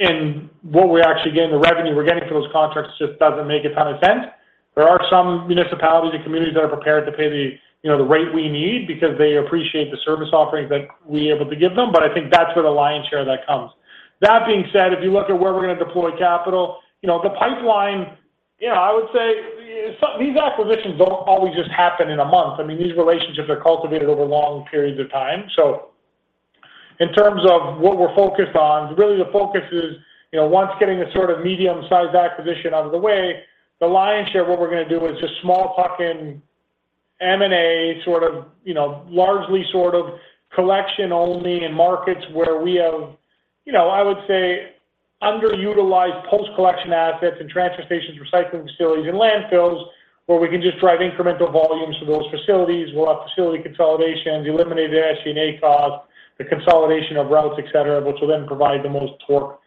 and what we're actually getting, the revenue we're getting for those contracts just doesn't make a ton of sense. There are some municipalities and communities that are prepared to pay the rate we need because they appreciate the service offerings that we're able to give them, but I think that's where the lion's share of that comes. That being said, if you look at where we're going to deploy capital, the pipeline, I would say these acquisitions don't always just happen in a month. I mean, these relationships are cultivated over long periods of time. So in terms of what we're focused on, really the focus is once getting the sort of medium-sized acquisition out of the way, the lion's share of what we're going to do is just small-tuck-in M&A sort of largely sort of collection-only in markets where we have, I would say, underutilized post-collection assets in transfer stations, recycling facilities, and landfills where we can just drive incremental volumes for those facilities. We'll have facility consolidations, eliminate the SG&A cost, the consolidation of routes, etc., which will then provide the most torque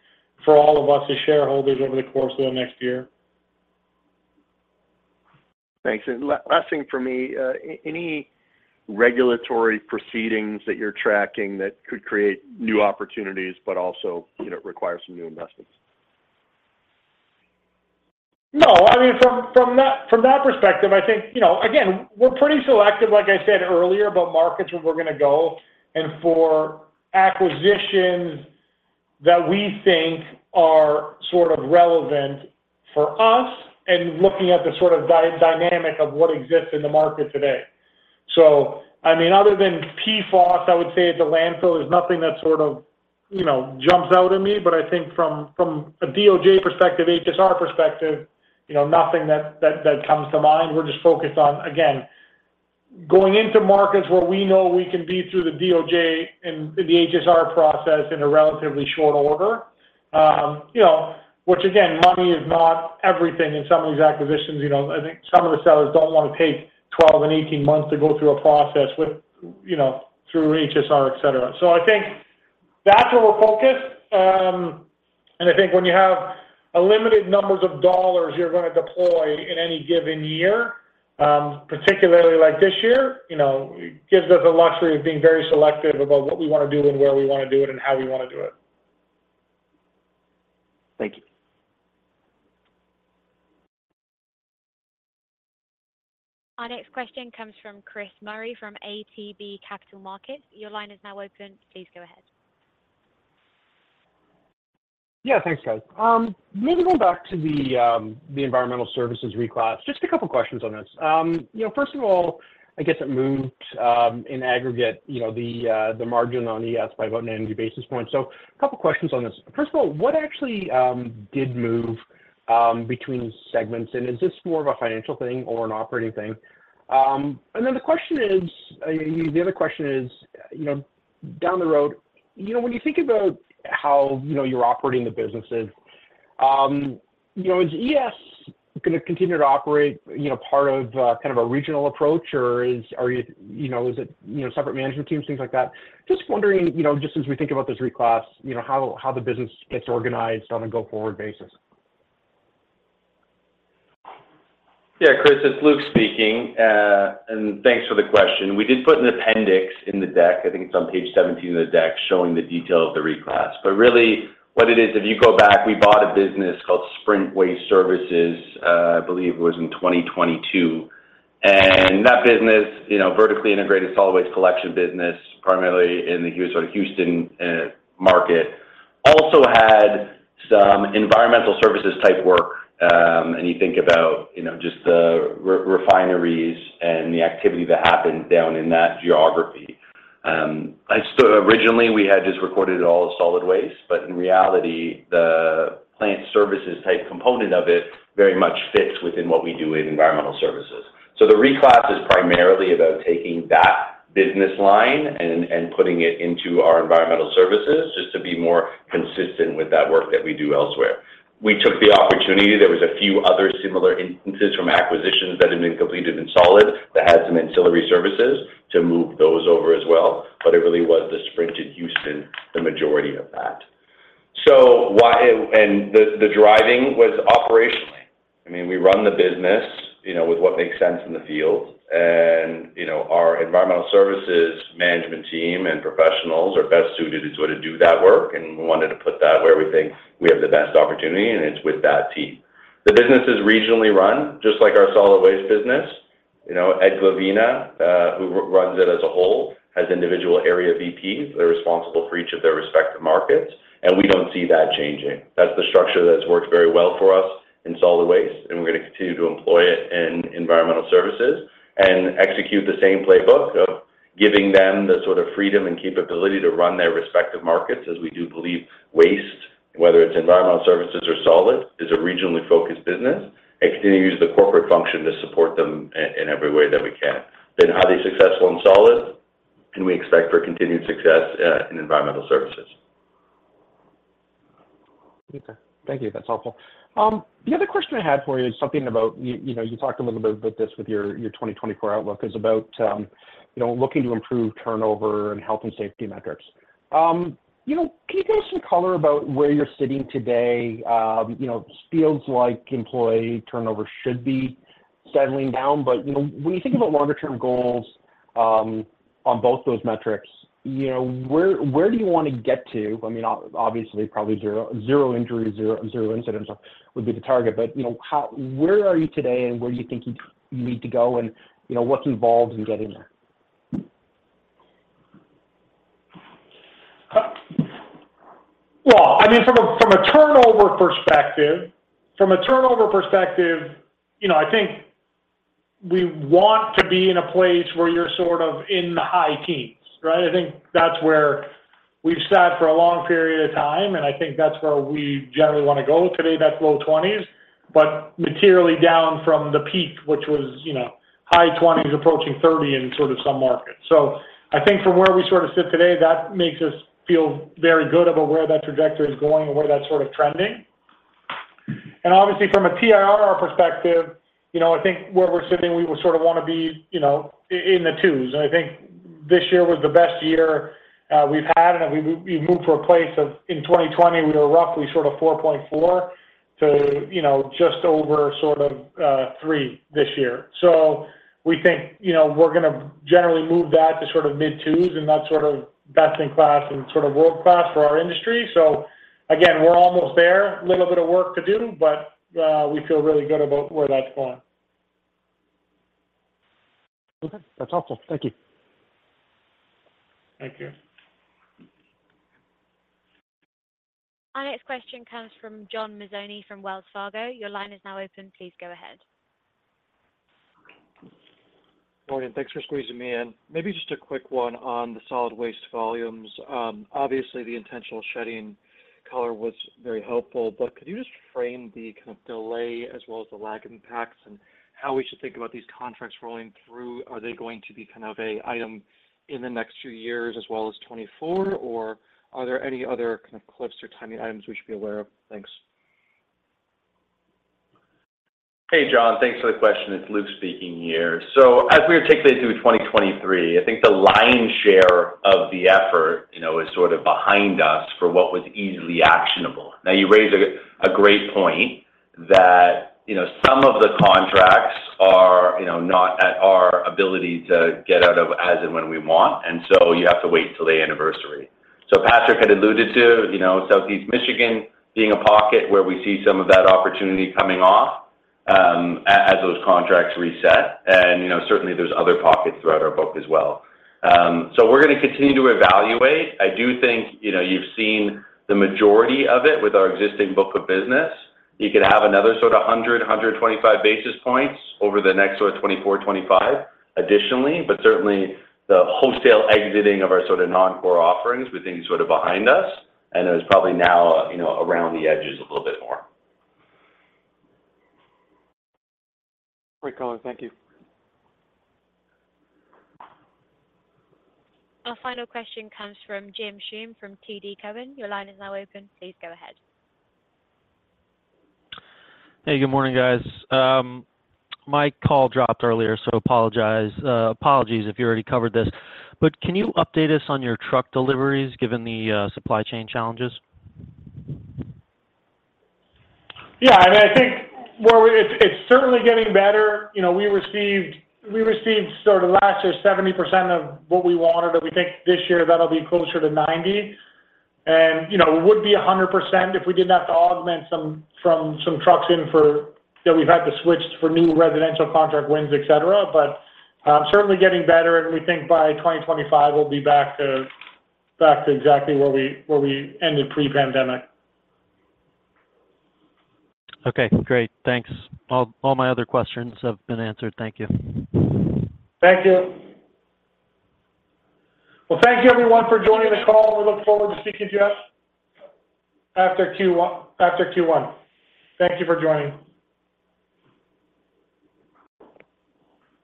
for all of us as shareholders over the course of the next year. Thanks. And last thing for me, any regulatory proceedings that you're tracking that could create new opportunities but also require some new investments? No. I mean, from that perspective, I think, again, we're pretty selective, like I said earlier, about markets where we're going to go. And for acquisitions that we think are sort of relevant for us and looking at the sort of dynamic of what exists in the market today. So I mean, other than PFOS, I would say the landfill is nothing that sort of jumps out at me. But I think from a DOJ perspective, HSR perspective, nothing that comes to mind. We're just focused on, again, going into markets where we know we can be through the DOJ and the HSR process in a relatively short order, which, again, money is not everything in some of these acquisitions. I think some of the sellers don't want to take 12 and 18 months to go through a process through HSR, etc. So I think that's where we're focused. I think when you have a limited number of dollars you're going to deploy in any given year, particularly like this year, it gives us the luxury of being very selective about what we want to do and where we want to do it and how we want to do it. Thank you. Our next question comes from Chris Murray from ATB Capital Markets. Your line is now open. Please go ahead. Yeah. Thanks, guys. Maybe going back to the Environmental Services reclass, just a couple of questions on this. First of all, I guess it moved in aggregate, the margin on ES by about eighty basis points. So a couple of questions on this. First of all, what actually did move between segments? And is this more of a financial thing or an operating thing? And then the question is the other question is down the road, when you think about how you're operating the businesses, is ES going to continue to operate part of kind of a regional approach, or is it separate management teams, things like that? Just wondering, just as we think about this reclass, how the business gets organized on a go-forward basis. Yeah, Chris. It's Luke speaking. And thanks for the question. We did put an appendix in the deck. I think it's on page 17 of the deck showing the detail of the reclass. But really, what it is, if you go back, we bought a business called Sprint Waste Services, I believe it was in 2022. And that business, vertically integrated solid waste collection business, primarily in the sort of Houston market, also had some environmental services-type work. And you think about just the refineries and the activity that happened down in that geography. Originally, we had just recorded it all as solid waste, but in reality, the plant services-type component of it very much fits within what we do in environmental services. So the reclass is primarily about taking that business line and putting it into our Environmental Services just to be more consistent with that work that we do elsewhere. We took the opportunity. There was a few other similar instances from acquisitions that had been completed in solid that had some ancillary services to move those over as well. But it really was the Sprint in Houston, the majority of that. And the driving was operationally. I mean, we run the business with what makes sense in the field. And our Environmental Services management team and professionals are best suited to sort of do that work. And we wanted to put that where we think we have the best opportunity, and it's with that team. The business is regionally run, just like our solid waste business. Ed Glavina, who runs it as a whole, has individual area VPs that are responsible for each of their respective markets. We don't see that changing. That's the structure that has worked very well for us in solid waste. We're going to continue to employ it in environmental services and execute the same playbook of giving them the sort of freedom and capability to run their respective markets as we do believe waste, whether it's environmental services or solid, is a regionally focused business and continue to use the corporate function to support them in every way that we can. Been highly successful in solid, and we expect for continued success in environmental services. Okay. Thank you. That's helpful. The other question I had for you is something about you talked a little bit about this with your 2024 outlook is about looking to improve turnover and health and safety metrics. Can you give us some color about where you're sitting today? It feels like employee turnover should be settling down. But when you think about longer-term goals on both those metrics, where do you want to get to? I mean, obviously, probably zero injuries, zero incidents would be the target. But where are you today, and where do you think you need to go, and what's involved in getting there? Well, I mean, from a turnover perspective, from a turnover perspective, I think we want to be in a place where you're sort of in the high teens, right? I think that's where we've sat for a long period of time, and I think that's where we generally want to go. Today, that's low 20s, but materially down from the peak, which was high 20s approaching 30 in sort of some markets. So I think from where we sort of sit today, that makes us feel very good about where that trajectory is going and where that's sort of trending. And obviously, from a TRIR perspective, I think where we're sitting, we would sort of want to be in the twos. I think this year was the best year we've had, and we've moved to a place of in 2020, we were roughly sort of 4.4 to just over sort of 3 this year. So we think we're going to generally move that to sort of mid-2s, and that's sort of best-in-class and sort of world-class for our industry. So again, we're almost there. A little bit of work to do, but we feel really good about where that's going. Okay. That's helpful. Thank you. Thank you. Our next question comes from John Mazzoni from Wells Fargo. Your line is now open. Please go ahead. Morning. Thanks for squeezing me in. Maybe just a quick one on the solid waste volumes. Obviously, the intentional shedding color was very helpful. But could you just frame the kind of delay as well as the lag impacts and how we should think about these contracts rolling through? Are they going to be kind of an item in the next few years as well as 2024, or are there any other kind of cliffs or timing items we should be aware of? Thanks. Hey, John. Thanks for the question. It's Luke speaking here. So as we are taking it through 2023, I think the lion's share of the effort is sort of behind us for what was easily actionable. Now, you raise a great point that some of the contracts are not at our ability to get out of as and when we want, and so you have to wait until their anniversary. So Patrick had alluded to Southeast Michigan being a pocket where we see some of that opportunity coming off as those contracts reset. And certainly, there's other pockets throughout our book as well. So we're going to continue to evaluate. I do think you've seen the majority of it with our existing book of business. You could have another sort of 100-125 basis points over the next sort of 2024, 2025 additionally. But certainly, the wholesale exiting of our sort of non-core offerings, we think is sort of behind us, and it was probably now around the edges a little bit more. Great caller. Thank you. Our final question comes from Jim Schumm from TD Cowen. Your line is now open. Please go ahead. Hey. Good morning, guys. My call dropped earlier, so apologies if you already covered this. Can you update us on your truck deliveries given the supply chain challenges? Yeah. I mean, I think it's certainly getting better. We received sort of last year, 70% of what we wanted. And we think this year, that'll be closer to 90%. And it would be 100% if we didn't have to augment some trucks in that we've had to switch for new residential contract wins, etc. But certainly getting better, and we think by 2025, we'll be back to exactly where we ended pre-pandemic. Okay. Great. Thanks. All my other questions have been answered. Thank you. Thank you. Well, thank you, everyone, for joining the call. We look forward to speaking to you after Q1. Thank you for joining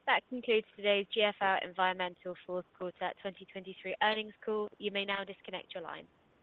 That conclude today's, GFL Environmental Q4 2023 earnings call. You may now disconnect your line.